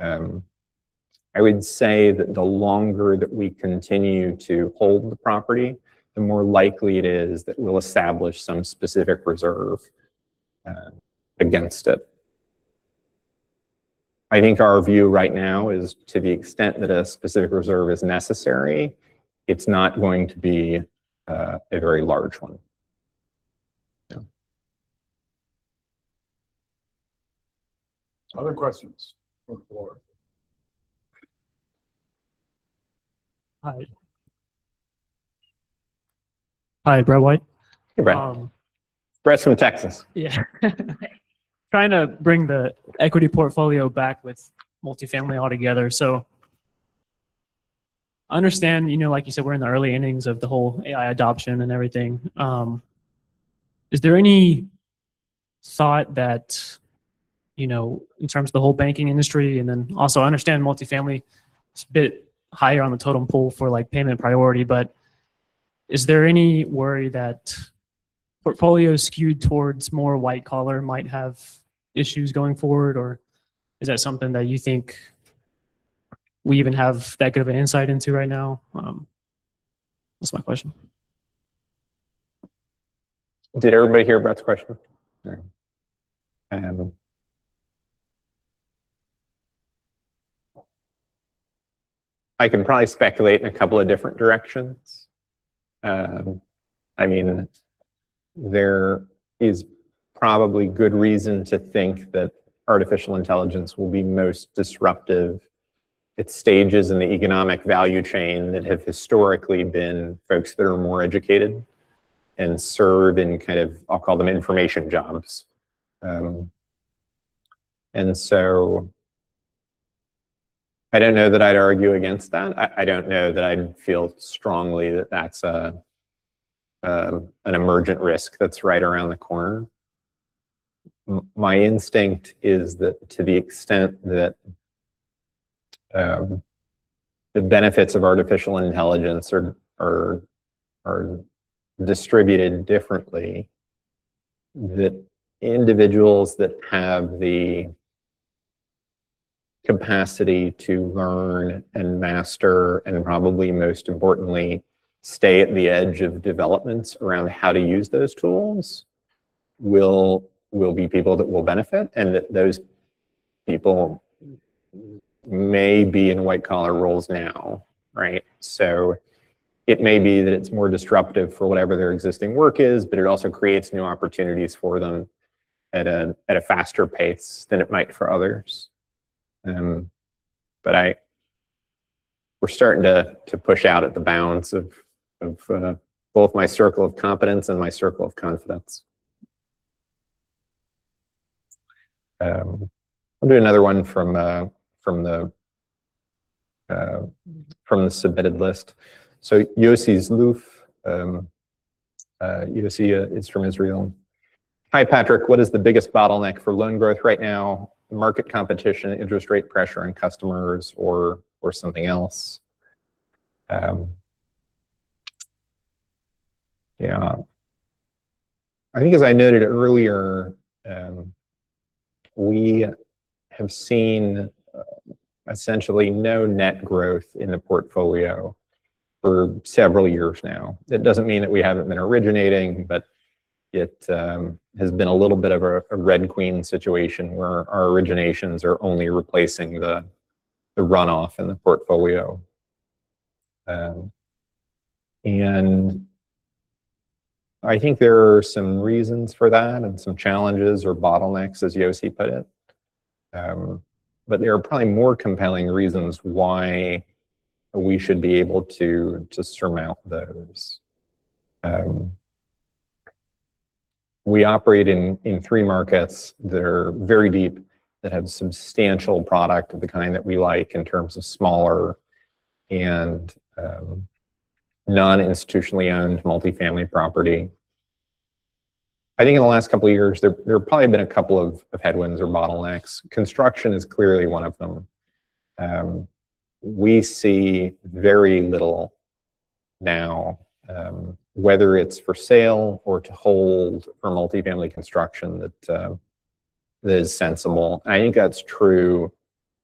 I would say that the longer that we continue to hold the property, the more likely it is that we'll establish some specific reserve against it. I think our view right now is to the extent that a specific reserve is necessary, it's not going to be a very large one. Other questions from the floor? Hi. Hi, Brett White. Hey, Brett. Um- Brett's from Texas. Yeah. Trying to bring the equity portfolio back with multifamily all together. Understand, you know, like you said, we're in the early innings of the whole AI adoption and everything. Is there any thought that, you know, in terms of the whole banking industry, I understand multifamily is a bit higher on the totem pole for like payment priority. Is there any worry that portfolios skewed towards more white collar might have issues going forward, or is that something that you think we even have that good of an insight into right now? That's my question. Did everybody hear Brett's question? Okay. I can probably speculate in a couple of different directions. I mean, there is probably good reason to think that artificial intelligence will be most disruptive at stages in the economic value chain that have historically been folks that are more educated and serve in kind of, I'll call them information jobs. I don't know that I'd argue against that. I don't know that I feel strongly that that's an emergent risk that's right around the corner. My instinct is that to the extent that the benefits of artificial intelligence are distributed differently, that individuals that have the capacity to learn and master, and probably most importantly, stay at the edge of developments around how to use those tools will be people that will benefit, and that those people may be in white collar roles now, right? It may be that it's more disruptive for whatever their existing work is, but it also creates new opportunities for them at a faster pace than it might for others. We're starting to push out at the bounds of both my circle of competence and my circle of confidence. I'll do another one from the submitted list. Yossi Zluf, Yossi is from Israel. "Hi, Patrick. What is the biggest bottleneck for loan growth right now? Market competition, interest rate pressure on customers or something else? Yeah. I think as I noted earlier, we have seen essentially no net growth in the portfolio for several years now. That doesn't mean that we haven't been originating, but it has been a little bit of a Red Queen situation where our originations are only replacing the runoff in the portfolio. I think there are some reasons for that and some challenges or bottlenecks as Yossi put it. There are probably more compelling reasons why we should be able to surmount those. We operate in three markets that are very deep, that have substantial product of the kind that we like in terms of smaller and non-institutionally owned multifamily property. I think in the last couple of years there have probably been a couple of headwinds or bottlenecks. Construction is clearly one of them. We see very little now, whether it's for sale or to hold for multifamily construction that is sensible. I think that's true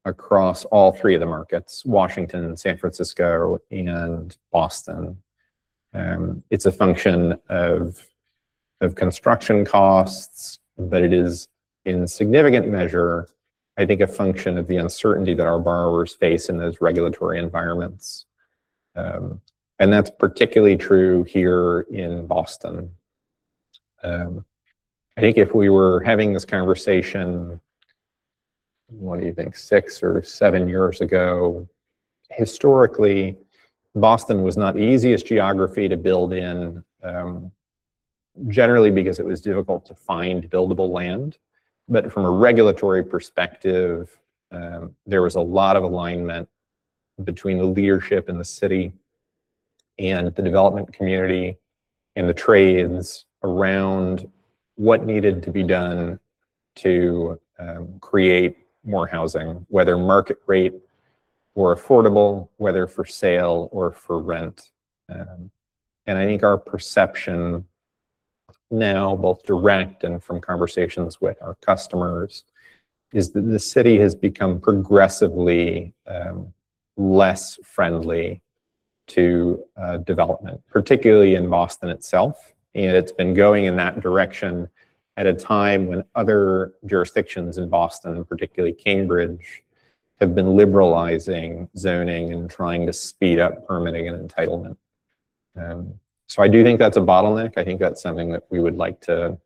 across all three of the markets, Washington and San Francisco and Boston. It's a function of construction costs, but it is in significant measure, I think, a function of the uncertainty that our borrowers face in those regulatory environments. And that's particularly true here in Boston. I think if we were having this conversation, what do you think, six or seven years ago? Historically, Boston was not the easiest geography to build in, generally because it was difficult to find buildable land. From a regulatory perspective, there was a lot of alignment between the leadership in the city and the development community and the trades around what needed to be done to create more housing, whether market rate or affordable, whether for sale or for rent. I think our perception now, both direct and from conversations with our customers, is that the city has become progressively less friendly to development, particularly in Boston itself. It's been going in that direction at a time when other jurisdictions in Boston, particularly Cambridge, have been liberalizing zoning and trying to speed up permitting and entitlement. I do think that's a bottleneck. I think that's something that we would like to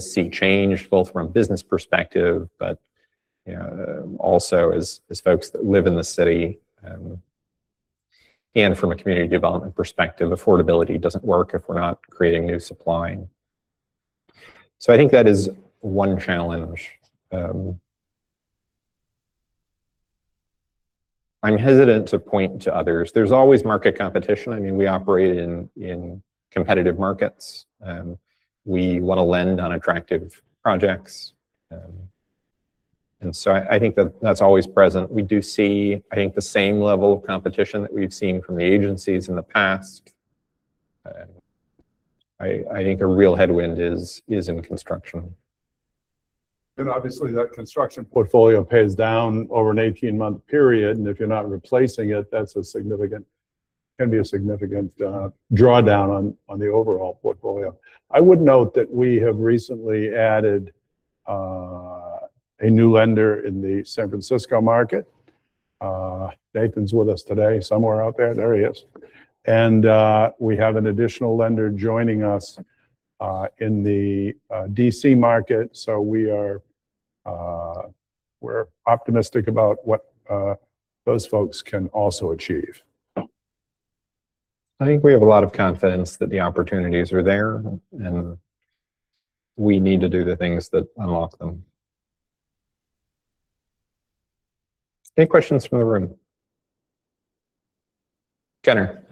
see changed both from a business perspective, but also as folks that live in the city. From a community development perspective, affordability doesn't work if we're not creating new supply. I think that is one challenge. I'm hesitant to point to others. There's always market competition. I mean, we operate in competitive markets. We want to lend on attractive projects. I think that that's always present. We do see, I think, the same level of competition that we've seen from the agencies in the past. I think a real headwind is in construction. Obviously that construction portfolio pays down over an 18-month period. If you're not replacing it, can be a significant drawdown on the overall portfolio. I would note that we have recently added a new lender in the San Francisco market. Nathan's with us today somewhere out there. There he is. We have an additional lender joining us in the D.C. market. We are optimistic about what those folks can also achieve. I think we have a lot of confidence that the opportunities are there and we need to do the things that unlock them. Any questions from the room? Gunnar.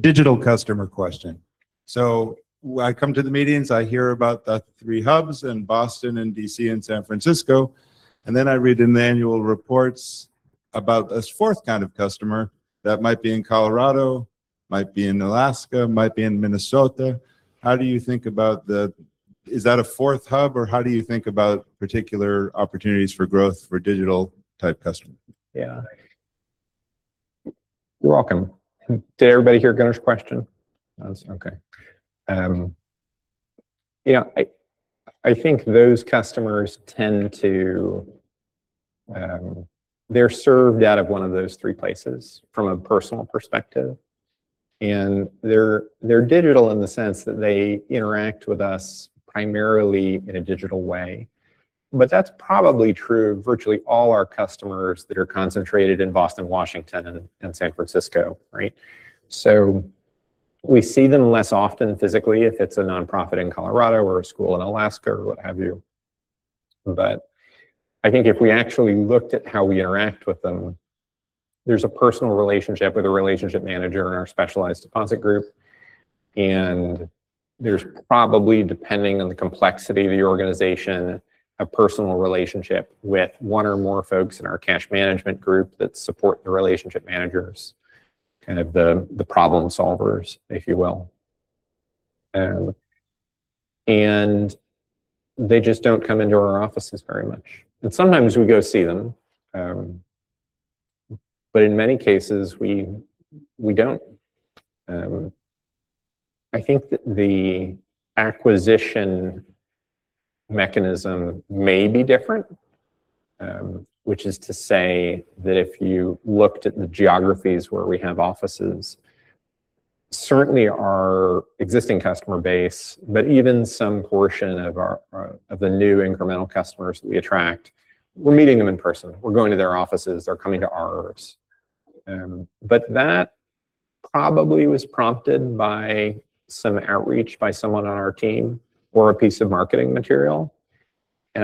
Digital customer question. I come to the meetings, I hear about the three hubs in Boston and D.C. and San Francisco. I read in the annual reports about this fourth kind of customer that might be in Colorado, might be in Alaska, might be in Minnesota. How do you think about the, is that a fourth hub or how do you think about particular opportunities for growth for digital type customer? Yeah. You're welcome. Did everybody hear Gunnar's question? Okay. Yeah, I think those customers tend to, they're served out of one of those three places from a personal perspective. They're digital in the sense that they interact with us primarily in a digital way. That's probably true of virtually all our customers that are concentrated in Boston, Washington, and San Francisco, right? We see them less often physically if it's a nonprofit in Colorado or a school in Alaska or what have you. I think if we actually looked at how we interact with them, there's a personal relationship with a relationship manager in our specialized deposit group. There's probably, depending on the complexity of the organization, a personal relationship with one or more folks in our cash management group that support the relationship managers, kind of the problem solvers, if you will. They just don't come into our offices very much. Sometimes we go see them. In many cases, we don't. I think that the acquisition mechanism may be different, which is to say that if you looked at the geographies where we have offices, certainly our existing customer base, but even some portion of the new incremental customers that we attract, we're meeting them in person. We're going to their offices. They're coming to ours. That probably was prompted by some outreach by someone on our team or a piece of marketing material.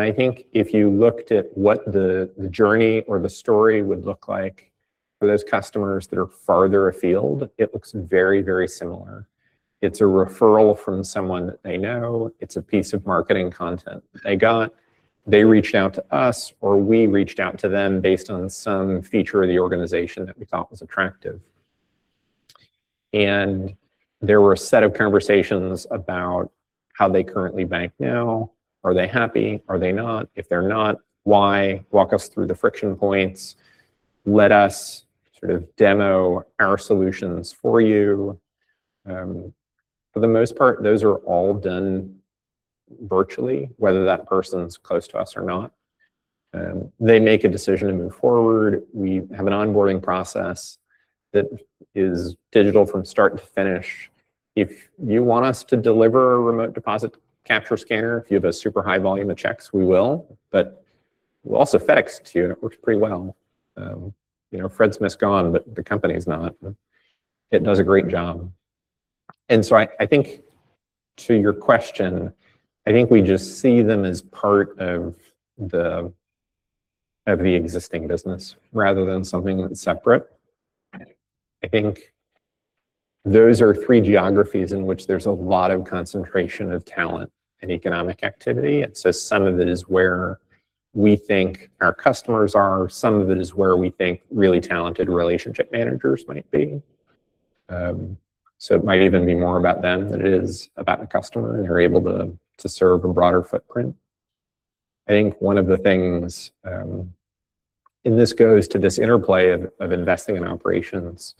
I think if you looked at what the journey or the story would look like for those customers that are farther afield, it looks very, very similar. It's a referral from someone that they know. It's a piece of marketing content they got. They reached out to us or we reached out to them based on some feature of the organization that we thought was attractive. There were a set of conversations about how they currently bank now. Are they happy? Are they not? If they're not, why? Walk us through the friction points. Let us sort of demo our solutions for you. For the most part, those are all done virtually, whether that person's close to us or not. They make a decision to move forward. We have an onboarding process that is digital from start to finish. If you want us to deliver a remote deposit capture scanner, if you have a super high volume of checks, we will. We'll also FedEx to you and it works pretty well. You know, Frederick W. Smith's gone, but the company's not. It does a great job. I think to your question, I think we just see them as part of the existing business rather than something that's separate. I think those are three geographies in which there's a lot of concentration of talent and economic activity. Some of it is where we think our customers are. Some of it is where we think really talented relationship managers might be. It might even be more about them than it is about a customer, and you're able to serve a broader footprint. I think one of the things, and this goes to this interplay of investing in operations.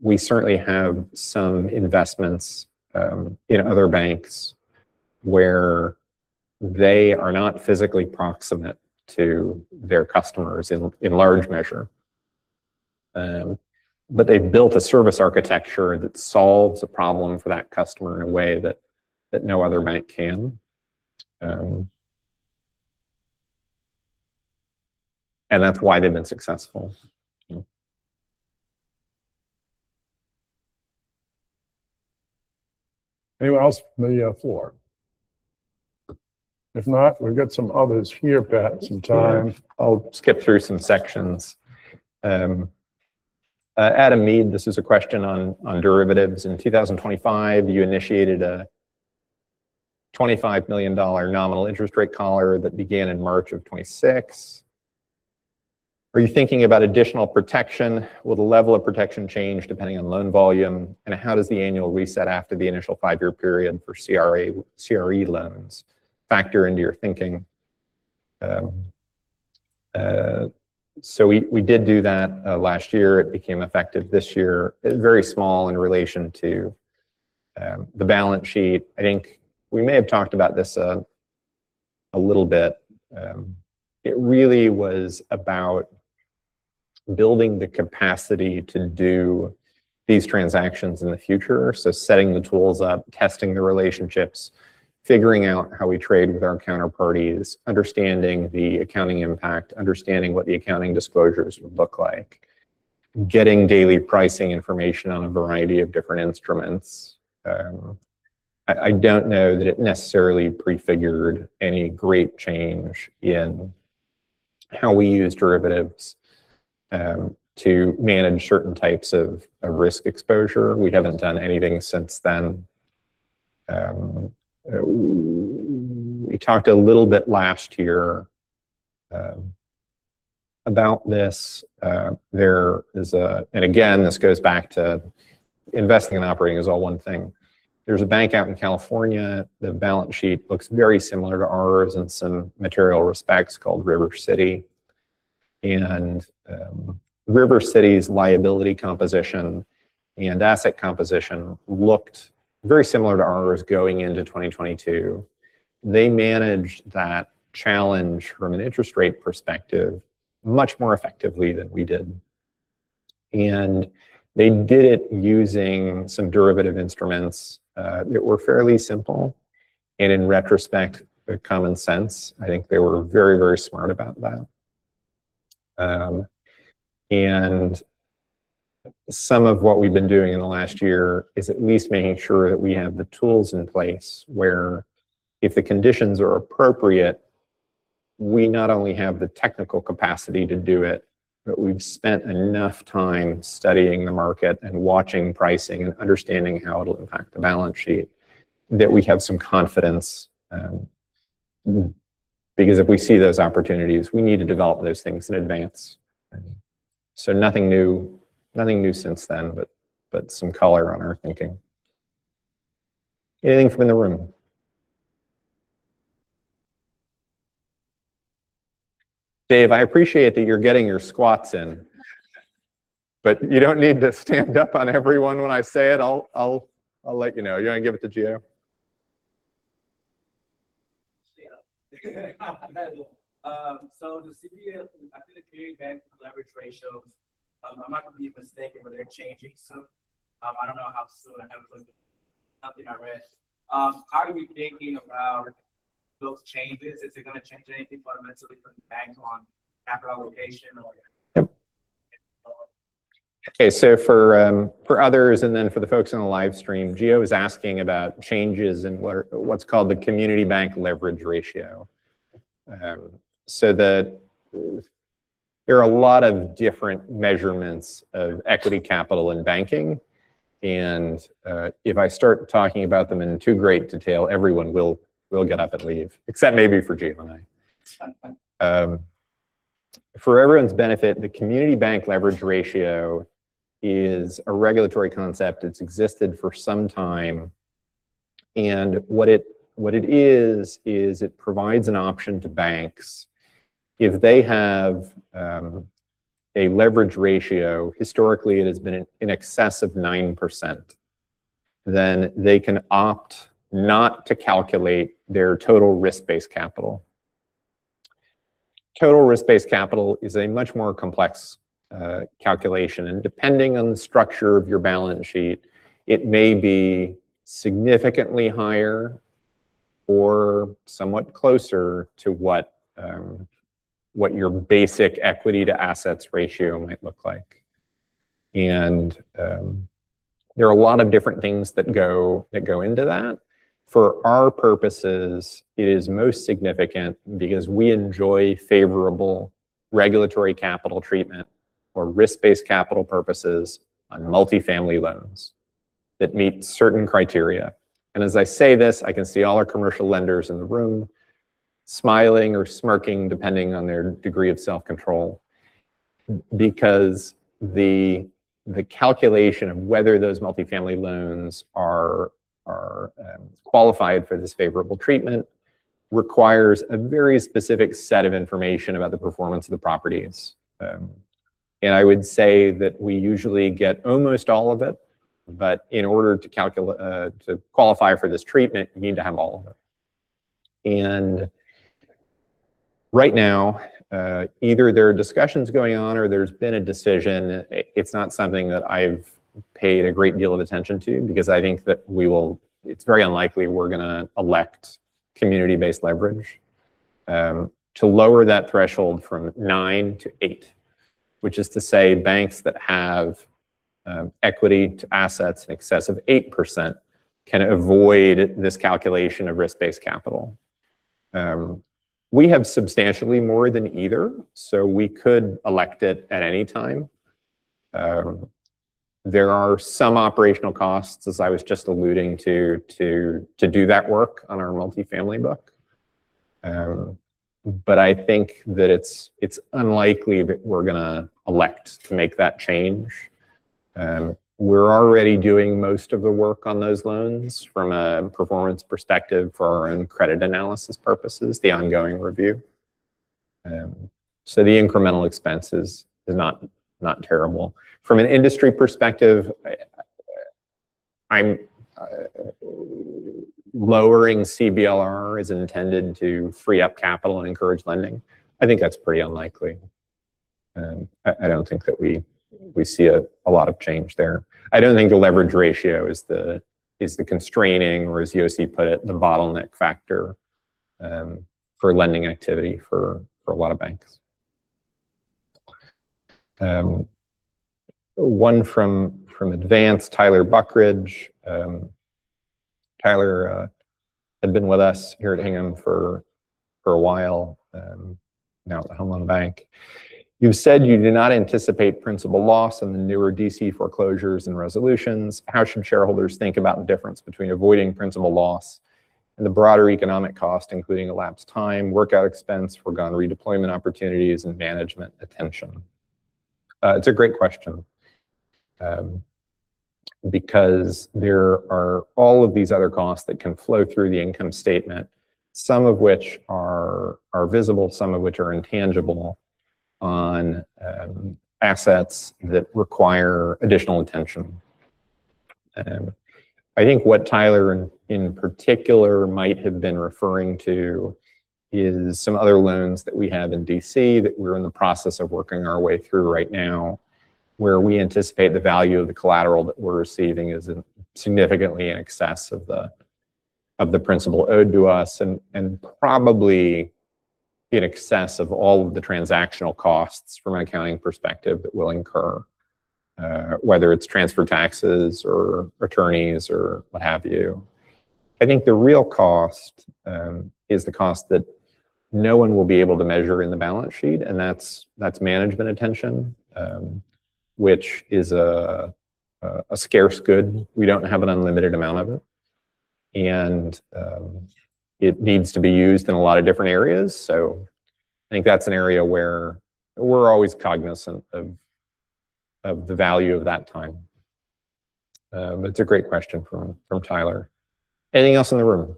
We certainly have some investments in other banks where they are not physically proximate to their customers in large measure. They've built a service architecture that solves a problem for that customer in a way that no other bank can. that's why they've been successful. You know? Anyone else from the floor? If not, we've got some others here, Pat, some time. Sure. I'll skip through some sections. Adam Mead, this is a question on derivatives. In 2025, you initiated a $25 million nominal interest rate collar that began in March of 2026. Are you thinking about additional protection? Will the level of protection change depending on loan volume? How does the annual reset after the initial five-year period for CRE loans factor into your thinking? We did do that last year. It became effective this year. Very small in relation to the balance sheet. I think we may have talked about this a little bit. It really was about building the capacity to do these transactions in the future. Setting the tools up, testing the relationships, figuring out how we trade with our counterparties, understanding the accounting impact, understanding what the accounting disclosures would look like, getting daily pricing information on a variety of different instruments. I don't know that it necessarily prefigured any great change in how we use derivatives to manage certain types of risk exposure. We haven't done anything since then. We talked a little bit last year about this. Again, this goes back to investing and operating as all one thing. There's a bank out in California, the balance sheet looks very similar to ours in some material respects called River City. River City's liability composition and asset composition looked very similar to ours going into 2022. They managed that challenge from an interest rate perspective much more effectively than we did. They did it using some derivative instruments that were fairly simple and in retrospect, common sense. I think they were very, very smart about that. Some of what we've been doing in the last year is at least making sure that we have the tools in place where if the conditions are appropriate, we not only have the technical capacity to do it, but we've spent enough time studying the market and watching pricing and understanding how it'll impact the balance sheet, that we have some confidence. Because if we see those opportunities, we need to develop those things in advance. Nothing new, nothing new since then, but some color on our thinking. Anything from the room? Dave, I appreciate that you're getting your squats in, but you don't need to stand up on everyone when I say it. I'll let you know i go to the gym. You wanna give it to Gio? Sure. The CBLR, I think the community bank leverage ratios, I might be mistaken, but they're changing soon. I don't know how soon. I haven't looked at nothing I read. How are we thinking about those changes? Is it gonna change anything fundamentally for the bank on capital allocation or? Yep. Okay. For others and then for the folks on the live stream, Gio is asking about changes in what's called the Community Bank Leverage Ratio. There are a lot of different measurements of equity capital in banking. If I start talking about them in too great detail, everyone will get up and leave, except maybe for Jay and I. For everyone's benefit, the Community Bank Leverage Ratio is a regulatory concept. It's existed for some time. What it is it provides an option to banks. If they have a leverage ratio, historically it has been in excess of 9%, then they can opt not to calculate their total risk-based capital. Total risk-based capital is a much more complex calculation. depending on the structure of your balance sheet, it may be significantly higher or somewhat closer to what your basic equity to assets ratio might look like. There are a lot of different things that go into that. For our purposes, it is most significant because we enjoy favorable regulatory capital treatment for risk-based capital purposes on multifamily loans. That meet certain criteria. As I say this, I can see all our commercial lenders in the room smiling or smirking depending on their degree of self-control. Because the calculation of whether those multifamily loans are qualified for this favorable treatment requires a very specific set of information about the performance of the properties. I would say that we usually get almost all of it, but in order to qualify for this treatment, you need to have all of it. Right now, either there are discussions going on or there's been a decision. It's not something that I've paid a great deal of attention to because I think that we will. It's very unlikely we're gonna elect community-based leverage to lower that threshold from 9 to 8, which is to say banks that have equity to assets in excess of 8% can avoid this calculation of risk-based capital. We have substantially more than either, so we could elect it at any time. There are some operational costs, as I was just alluding to do that work on our multifamily book. I think that it's unlikely that we're gonna elect to make that change. We're already doing most of the work on those loans from a performance perspective for our own credit analysis purposes, the ongoing review. The incremental expenses is not terrible. From an industry perspective, lowering CBLR is intended to free up capital and encourage lending. I think that's pretty unlikely. I don't think that we see a lot of change there. I don't think the leverage ratio is the constraining, or as Yossi put it, the bottleneck factor, for lending activity for a lot of banks. One from Advance, Tyler Buckridge. Tyler had been with us here at Hingham for a while, now at the Home Loan Bank. You've said you do not anticipate principal loss on the newer D.C. foreclosures and resolutions. How should shareholders think about the difference between avoiding principal loss and the broader economic cost, including elapsed time, workout expense, foregone redeployment opportunities, and management attention? It's a great question, because there are all of these other costs that can flow through the income statement, some of which are visible, some of which are intangible on assets that require additional attention. I think what Tyler in particular might have been referring to is some other loans that we have in D.C. that we're in the process of working our way through right now, where we anticipate the value of the collateral that we're receiving is significantly in excess of the principal owed to us and probably in excess of all of the transactional costs from an accounting perspective that we'll incur, whether it's transfer taxes or attorneys or what have you. I think the real cost is the cost that no one will be able to measure in the balance sheet, and that's management attention, which is a scarce good. We don't have an unlimited amount of it. It needs to be used in a lot of different areas. I think that's an area where we're always cognizant of the value of that time. It's a great question from Tyler. Anything else in the room?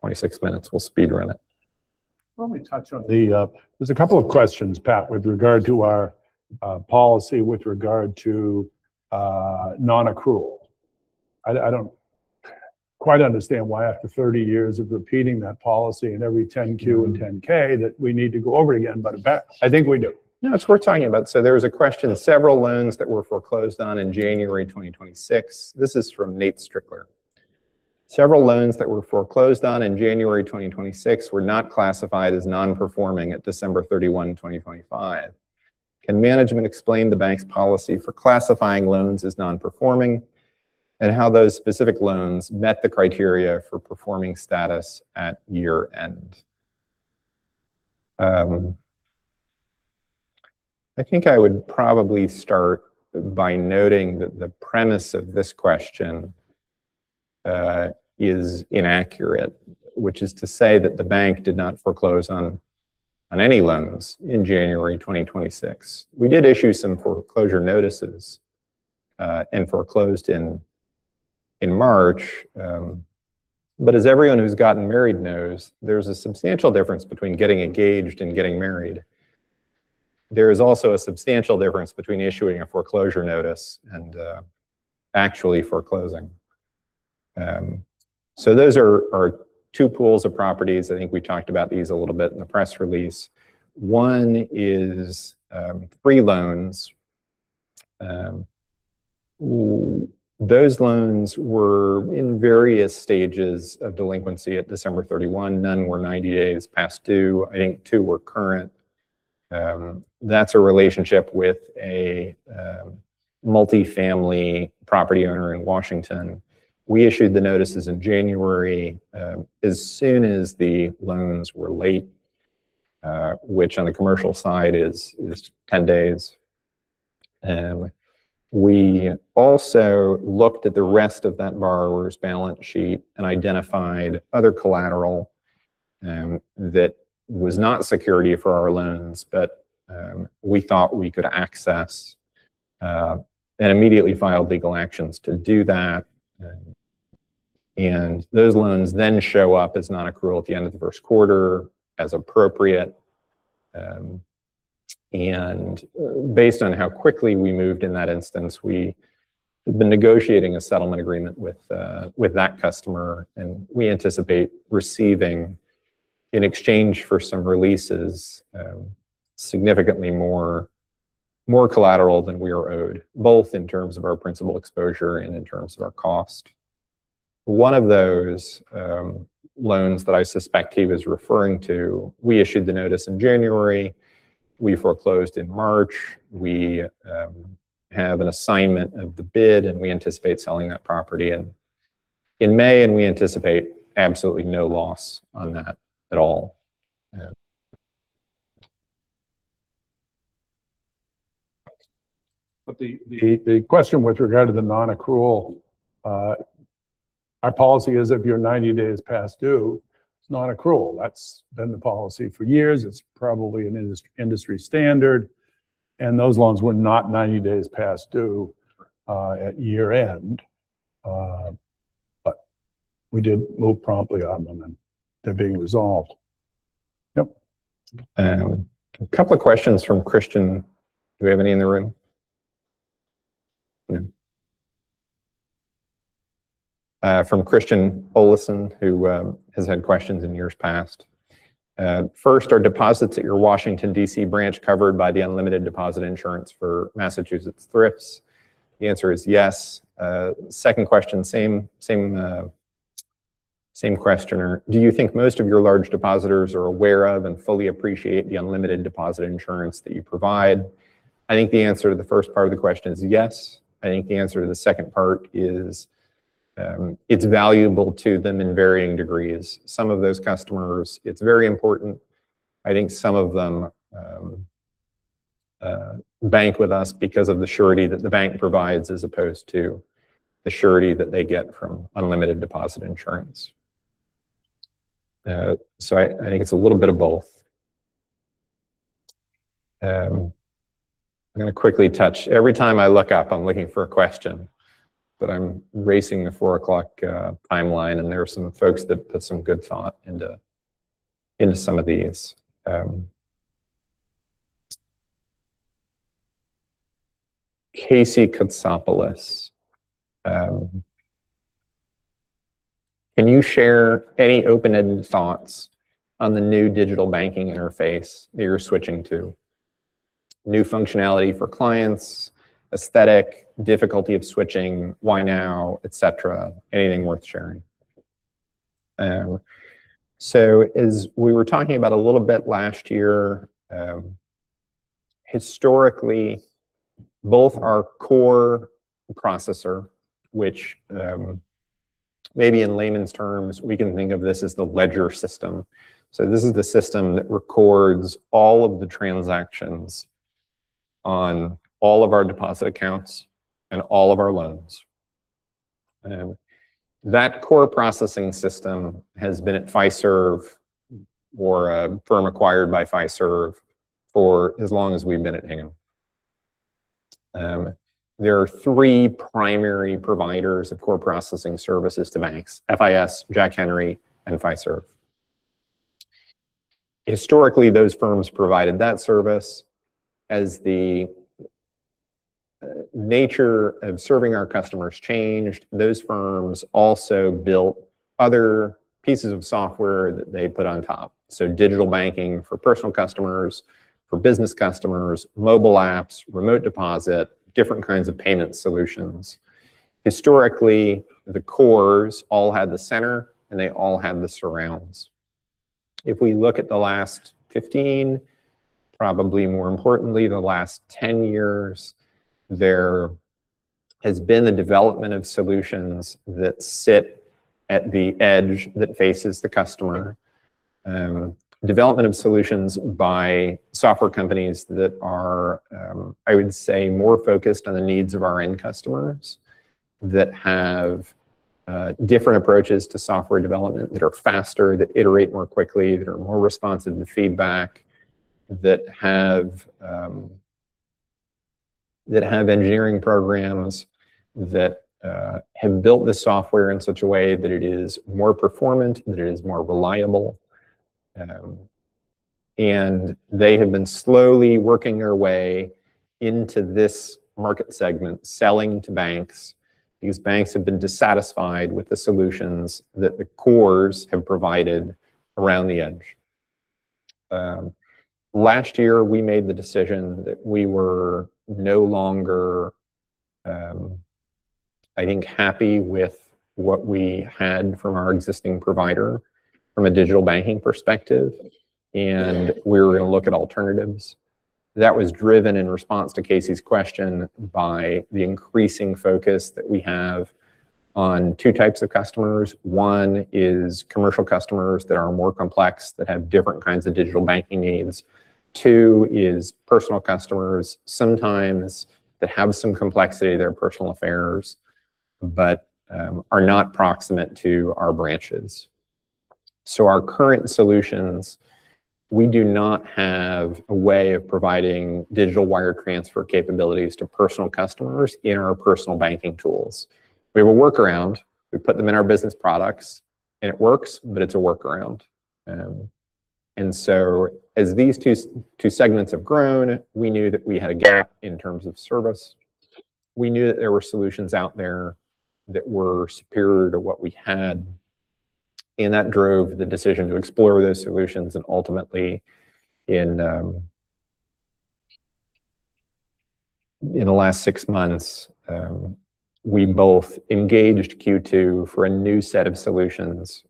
26 minutes. We'll speed run it. Let me touch on the. There's a couple of questions, Pat, with regard to our policy with regard to non-accrual. I don't quite understand why after 30 years of repeating that policy in every Form 10-Q and 10-K that we need to go over it again, but, Pat, I think we do. No, it's worth talking about. There was a question, several loans that were foreclosed on in January 2026. This is from Nate Strickler. Several loans that were foreclosed on in January 2026 were not classified as non-performing at December 31, 2025. Can management explain the bank's policy for classifying loans as non-performing and how those specific loans met the criteria for performing status at year-end? I think I would probably start by noting that the premise of this question is inaccurate, which is to say that the bank did not foreclose on any loans in January 2026. We did issue some foreclosure notices and foreclosed in March. As everyone who's gotten married knows, there's a substantial difference between getting engaged and getting married. There is also a substantial difference between issuing a foreclosure notice and actually foreclosing. Those are two pools of properties. I think we talked about these a little bit in the press release. One is three loans. Those loans were in various stages of delinquency at December 31. None were 90 days past due. I think two were current. That's a relationship with a multifamily property owner in Washington. We issued the notices in January as soon as the loans were late, which on the commercial side is 10 days. We also looked at the rest of that borrower's balance sheet and identified other collateral that was not security for our loans, but we thought we could access and immediately filed legal actions to do that. Those loans then show up as non-accrual at the end of the first quarter as appropriate. based on how quickly we moved in that instance, we have been negotiating a settlement agreement with that customer, and we anticipate receiving in exchange for some releases, significantly more collateral than we are owed, both in terms of our principal exposure and in terms of our cost. One of those loans that I suspect Steve is referring to, we issued the notice in January. We foreclosed in March. We have an assignment of the bid, and we anticipate selling that property in May, and we anticipate absolutely no loss on that at all. Yeah. The question with regard to the non-accrual, our policy is if you're 90 days past due, it's non-accrual. That's been the policy for years. It's probably an industry standard. Those loans were not 90 days past due at year-end. We did move promptly on them, and they're being resolved. Yep. A couple of questions from Christian. Do we have any in the room? No. From Christian Olesen, who has had questions in years past. First, are deposits at your Washington, D.C. branch covered by the unlimited deposit insurance for Massachusetts thrifts? The answer is yes. Second question, same questioner. Do you think most of your large depositors are aware of and fully appreciate the unlimited deposit insurance that you provide? I think the answer to the first part of the question is yes. I think the answer to the second part is it's valuable to them in varying degrees. Some of those customers, it's very important. I think some of them bank with us because of the surety that the bank provides as opposed to the surety that they get from unlimited deposit insurance. I think it's a little bit of both. I'm gonna quickly touch. Every time I look up, I'm looking for a question, but I'm racing the four o'clock timeline, and there are some folks that put some good thought into some of these. Casey Katsopolis. Can you share any open-ended thoughts on the new digital banking interface that you're switching to? New functionality for clients, aesthetic, difficulty of switching, why now, et cetera. Anything worth sharing? As we were talking about a little bit last year, historically both our core processor, which, maybe in layman's terms we can think of this as the ledger system. This is the system that records all of the transactions on all of our deposit accounts and all of our loans. That core processing system has been at Fiserv or a firm acquired by Fiserv for as long as we've been at Hingham. There are three primary providers of core processing services to banks. FIS, Jack Henry, and Fiserv. Historically, those firms provided that service. As the nature of serving our customers changed, those firms also built other pieces of software that they put on top. Digital banking for personal customers, for business customers, mobile apps, remote deposit, different kinds of payment solutions. Historically, the cores all had the center, and they all had the surrounds. If we look at the last 15, probably more importantly the last 10 years, there has been the development of solutions that sit at the edge that faces the customer. Development of solutions by software companies that are, I would say more focused on the needs of our end customers, that have, different approaches to software development that are faster, that iterate more quickly, that are more responsive to feedback, that have engineering programs that have built the software in such a way that it is more performant, that it is more reliable. They have been slowly working their way into this market segment, selling to banks. These banks have been dissatisfied with the solutions that the cores have provided around the edge. last year, we made the decision that we were no longer, I think, happy with what we had from our existing provider from a digital banking perspective, and we were gonna look at alternatives. That was driven in response to Casey's question by the increasing focus that we have on two types of customers. One is commercial customers that are more complex, that have different kinds of digital banking needs. Two is personal customers, sometimes that have some complexity in their personal affairs, but are not proximate to our branches. Our current solutions, we do not have a way of providing digital wire transfer capabilities to personal customers in our personal banking tools. We have a workaround. We put them in our business products, and it works, but it's a workaround. As these two segments have grown, we knew that we had a gap in terms of service. We knew that there were solutions out there that were superior to what we had, and that drove the decision to explore those solutions. Ultimately in the last six months, we both engaged Q2 for a new set of solutions,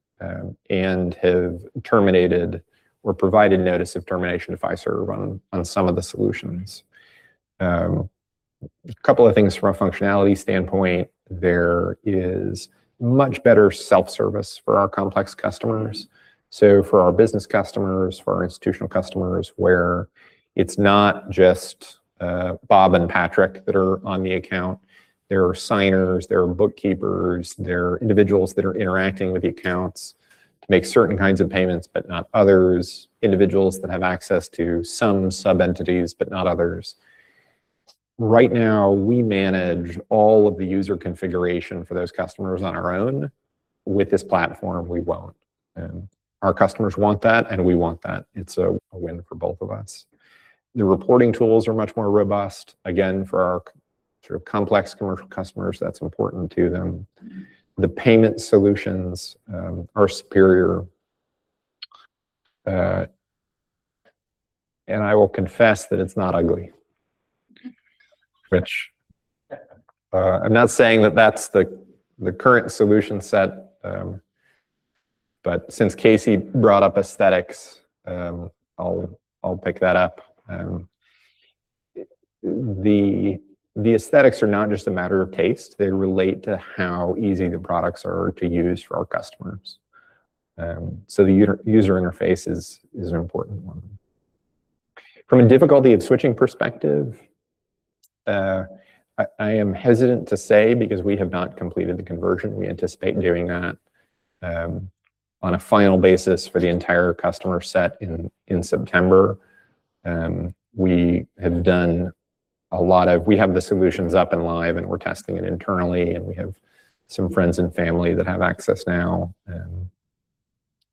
and have terminated or provided notice of termination to Fiserv on some of the solutions. A couple of things from a functionality standpoint. There is much better self-service for our complex customers. For our business customers, for our institutional customers, where it's not just Bob and Patrick that are on the account, there are signers, there are bookkeepers, there are individuals that are interacting with the accounts to make certain kinds of payments, but not others. Individuals that have access to some sub-entities, but not others. Right now we manage all of the user configuration for those customers on our own. With this platform, we won't. Our customers want that, and we want that. It's a win for both of us. The reporting tools are much more robust. Again, for our sort of complex commercial customers, that's important to them. The payment solutions are superior. I will confess that it's not ugly. Which I'm not saying that that's the current solution set, but since Casey brought up aesthetics, I'll pick that up. The aesthetics are not just a matter of taste. They relate to how easy the products are to use for our customers. The user interface is an important one. From a difficulty of switching perspective, I am hesitant to say because we have not completed the conversion. We anticipate doing that on a final basis for the entire customer set in September. We have the solutions up and live, and we're testing it internally, and we have some friends and family that have access now.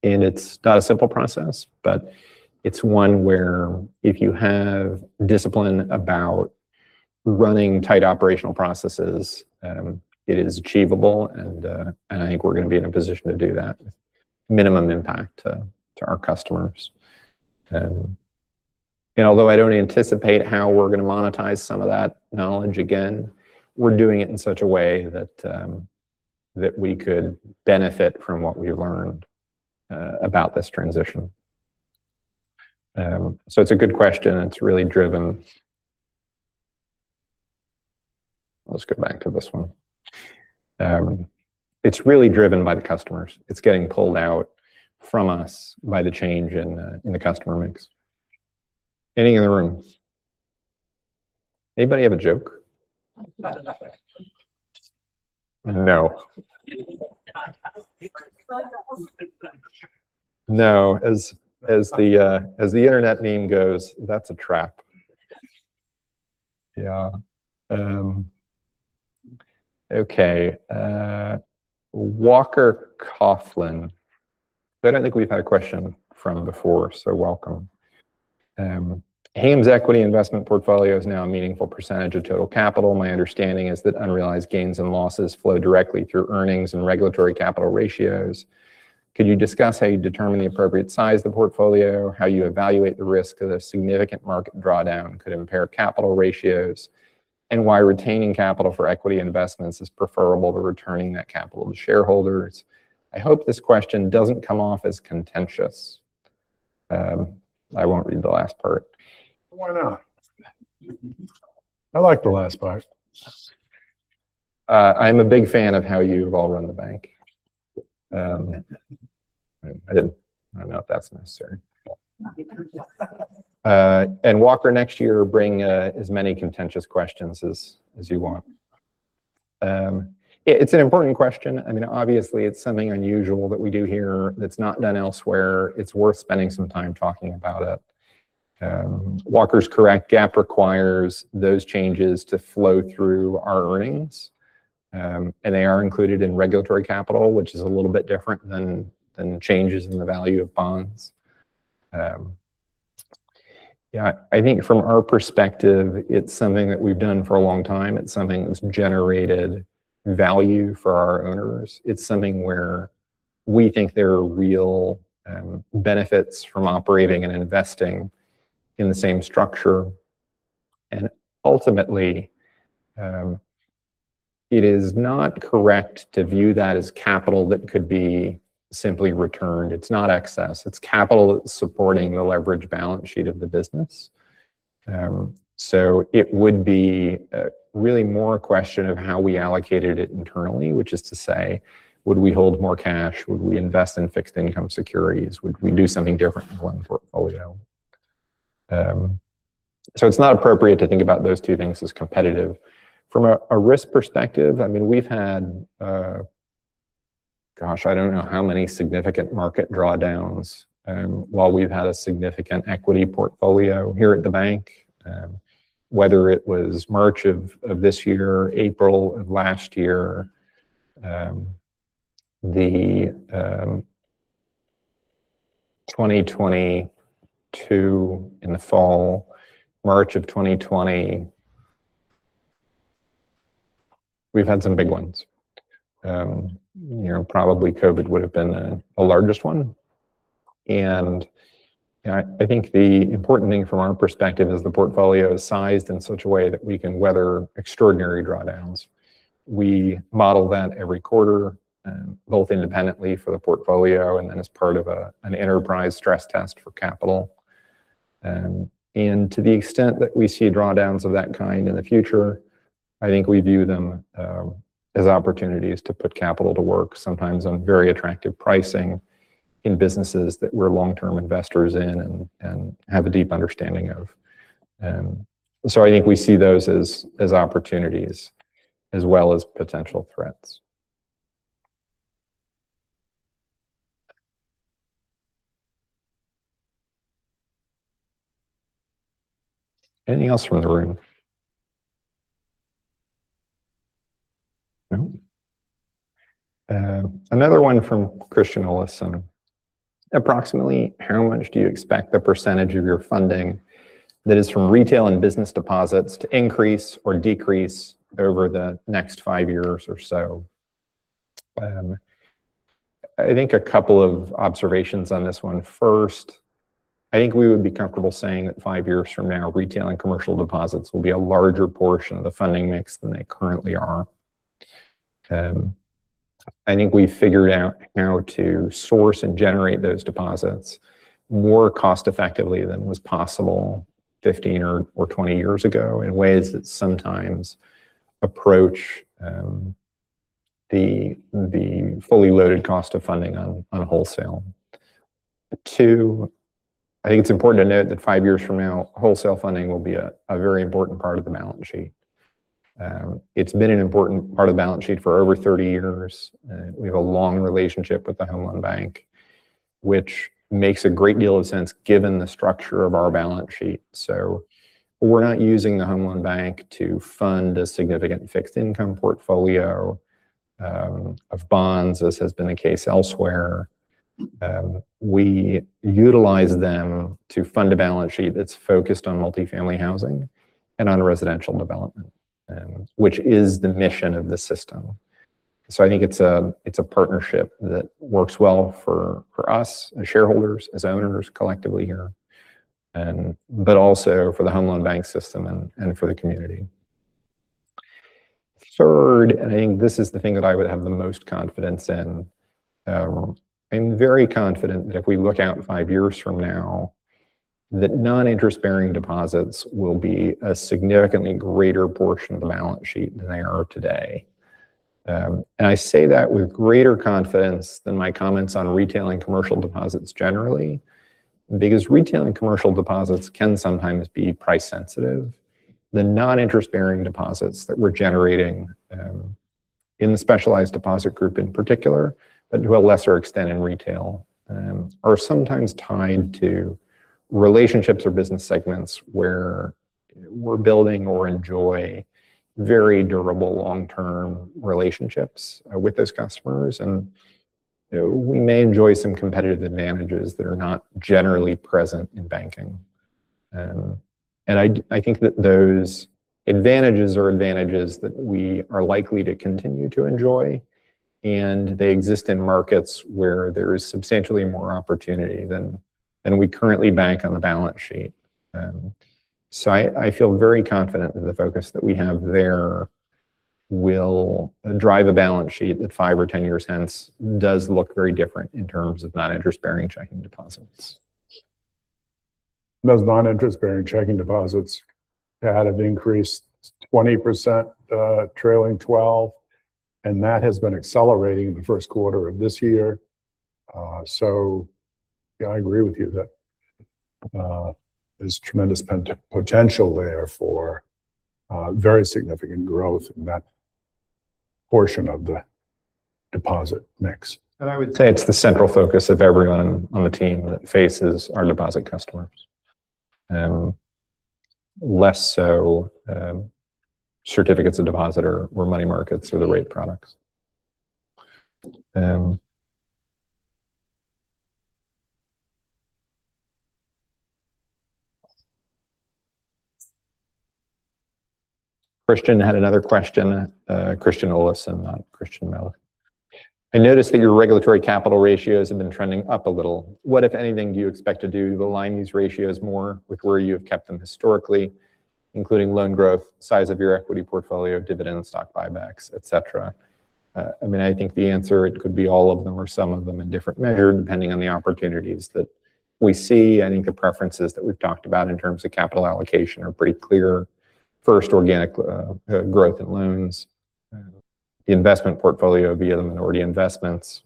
It's not a simple process, but it's one where if you have discipline about running tight operational processes, it is achievable. I think we're going to be in a position to do that with minimum impact to our customers. Although I don't anticipate how we're going to monetize some of that knowledge, again, we're doing it in such a way that we could benefit from what we've learned about this transition. It's a good question. It's really driven. Let's go back to this one. It's really driven by the customers. It's getting pulled out from us by the change in the customer mix. Any in the room? Anybody have a joke? No. No. As the internet meme goes, that's a trap. Okay. Walker Coughlin. I don't think we've had a question from before, so welcome. "Hingham's Equity Investment portfolio is now a meaningful percentage of total capital. My understanding is that unrealized gains and losses flow directly through earnings and regulatory capital ratios. Could you discuss how you determine the appropriate size of the portfolio, how you evaluate the risk of a significant market drawdown could impair capital ratios, and why retaining capital for equity investments is preferable to returning that capital to shareholders? I hope this question doesn't come off as contentious. I won't read the last part. Why not? I like the last part. I'm a big fan of how you've all run the bank. I don't know if that's necessary. Walker, next year, bring as many contentious questions as you want. Yeah, it's an important question. I mean, obviously, it's something unusual that we do here that's not done elsewhere. It's worth spending some time talking about it. Walker's correct. GAAP requires those changes to flow through our earnings. They are included in regulatory capital, which is a little bit different than changes in the value of bonds. Yeah, I think from our perspective, it's something that we've done for a long time. It's something that's generated value for our owners. It's something where we think there are real benefits from operating and investing in the same structure. Ultimately, it is not correct to view that as capital that could be simply returned. It's not excess. It's capital supporting the leverage balance sheet of the business. It would be really more a question of how we allocated it internally, which is to say, would we hold more cash? Would we invest in fixed income securities? Would we do something different in one portfolio? It's not appropriate to think about those two things as competitive. From a risk perspective, I mean, we've had, gosh, I don't know how many significant market drawdowns, while we've had a significant equity portfolio here at the bank. Whether it was March of this year, April of last year, the 2022 in the fall, March of 2020. We've had some big ones. You know, probably COVID would have been the largest one. You know, I think the important thing from our perspective is the portfolio is sized in such a way that we can weather extraordinary drawdowns. We model that every quarter, both independently for the portfolio and then as part of an enterprise stress test for capital. To the extent that we see drawdowns of that kind in the future, I think we view them as opportunities to put capital to work sometimes on very attractive pricing in businesses that we're long-term investors in and have a deep understanding of. I think we see those as opportunities as well as potential threats. Anything else from the room? No? Another one from Christian Olason. Approximately how much do you expect the percentage of your funding that is from retail and business deposits to increase or decrease over the next five years or so? I think a couple of observations on this one. First, I think we would be comfortable saying that five years from now, retail and commercial deposits will be a larger portion of the funding mix than they currently are. I think we've figured out how to source and generate those deposits more cost effectively than was possible 15 or 20 years ago in ways that sometimes approach the fully loaded cost of funding on wholesale. Two, I think it's important to note that five years from now, wholesale funding will be a very important part of the balance sheet. It's been an important part of the balance sheet for over 30 years. We have a long relationship with the Home Loan Bank, which makes a great deal of sense given the structure of our balance sheet. We're not using the Home Loan Bank to fund a significant fixed income portfolio of bonds, as has been the case elsewhere. We utilize them to fund a balance sheet that's focused on multifamily housing and on residential development, which is the mission of the system. I think it's a partnership that works well for us as shareholders, as owners collectively here, but also for the Home Loan Bank system and for the community. Third, I think this is the thing that I would have the most confidence in, I'm very confident that if we look out 5 years from now, that non-interest-bearing deposits will be a significantly greater portion of the balance sheet than they are today. I say that with greater confidence than my comments on retail and commercial deposits generally, because retail and commercial deposits can sometimes be price sensitive. The non-interest-bearing deposits that we're generating, in the Specialized Deposit Group in particular, but to a lesser extent in retail, are sometimes tied to relationships or business segments where we're building or enjoy very durable long-term relationships, with those customers. You know, we may enjoy some competitive advantages that are not generally present in banking. I think that those advantages are advantages that we are likely to continue to enjoy, they exist in markets where there is substantially more opportunity than we currently bank on the balance sheet. I feel very confident that the focus that we have there will drive a balance sheet that five or 10 years hence does look very different in terms of non-interest-bearing checking deposits. Those non-interest-bearing checking deposits had an increase 20%, trailing twelve, that has been accelerating the first quarter of this year. Yeah, I agree with you that there's tremendous potential there for very significant growth in that portion of the deposit mix. I would say it's the central focus of everyone on the team that faces our deposit customers. Less so, certificates of deposit or where money markets are the rate products. Christian had another question. Christian Olason, not Cristian Melej. I noticed that your regulatory capital ratios have been trending up a little. What, if anything, do you expect to do to align these ratios more with where you have kept them historically, including loan growth, size of your equity portfolio, dividend, stock buybacks, et cetera? I mean, I think the answer, it could be all of them or some of them in different measure, depending on the opportunities that we see. I think the preferences that we've talked about in terms of capital allocation are pretty clear. First, organic growth in loans, the investment portfolio via the minority investments,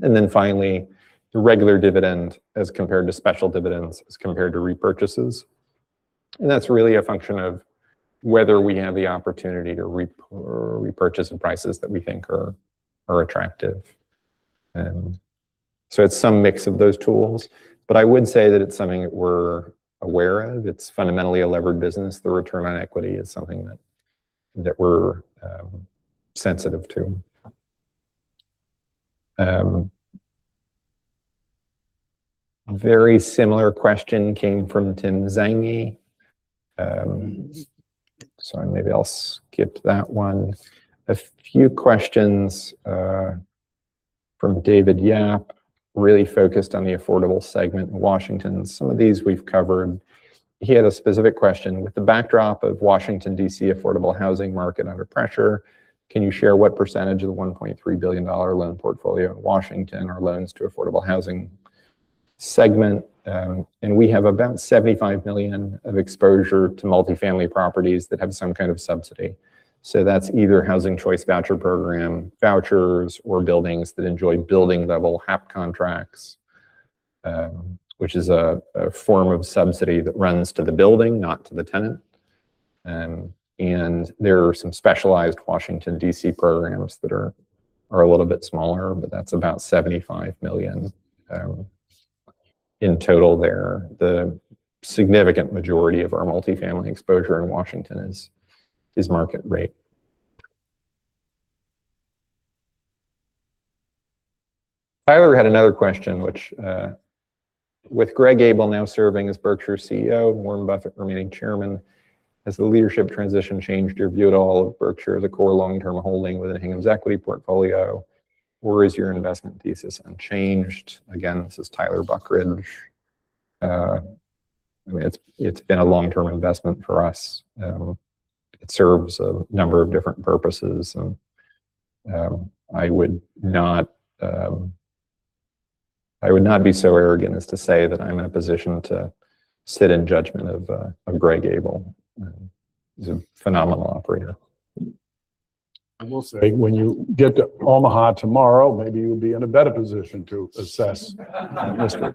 and then finally the regular dividend as compared to special dividends as compared to repurchases. That's really a function of whether we have the opportunity to repurchase in prices that we think are attractive. It's some mix of those tools. I would say that it's something that we're aware of. It's fundamentally a levered business. The return on equity is something that we're sensitive to. A very similar question came from Tim Zanghi. Sorry, maybe I'll skip that one. A few questions from David Yap really focused on the affordable segment in Washington, D.C. Some of these we've covered. He had a specific question, "With the backdrop of Washington, D.C. affordable housing market under pressure, can you share what % of the $1.3 billion loan portfolio in Washington are loans to affordable housing segment?" We have about $75 million of exposure to multifamily properties that have some kind of subsidy. That's either Housing Choice Voucher program, vouchers, or buildings that enjoy building-level HAP contracts, which is a form of subsidy that runs to the building, not to the tenant. There are some specialized Washington, D.C. programs that are a little bit smaller, that's about $75 million in total there. The significant majority of our multifamily exposure in Washington is market rate. Tyler had another question, which, "With Greg Abel now serving as Berkshire CEO and Warren Buffett remaining chairman, has the leadership transition changed your view at all of Berkshire, the core long-term holding within Hingham's equity portfolio? Or is your investment thesis unchanged?" Again, this is Tyler Buckridge. I mean, it's been a long-term investment for us. It serves a number of different purposes, and I would not be so arrogant as to say that I'm in a position to sit in judgment of Greg Abel. He's a phenomenal operator. I will say when you get to Omaha tomorrow, maybe you'll be in a better position to assess Mr.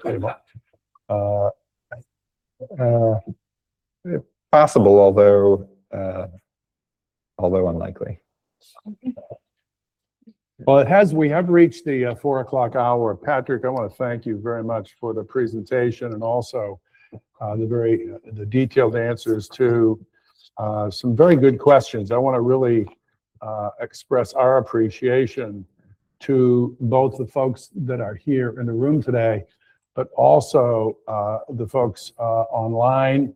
Abel. possible, although unlikely. Well, we have reached the 4:00 hour. Patrick, I wanna thank you very much for the presentation and also, the very detailed answers to some very good questions. I wanna really express our appreciation to both the folks that are here in the room today, but also, the folks online,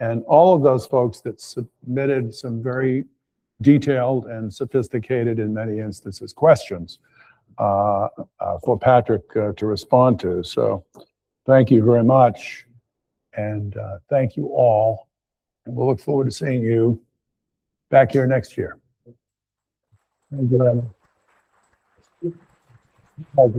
and all of those folks that submitted some very detailed and sophisticated, in many instances, questions for Patrick to respond to. Thank you very much, and thank you all, and we'll look forward to seeing you back here next year. Thank you, everyone. Bye-bye.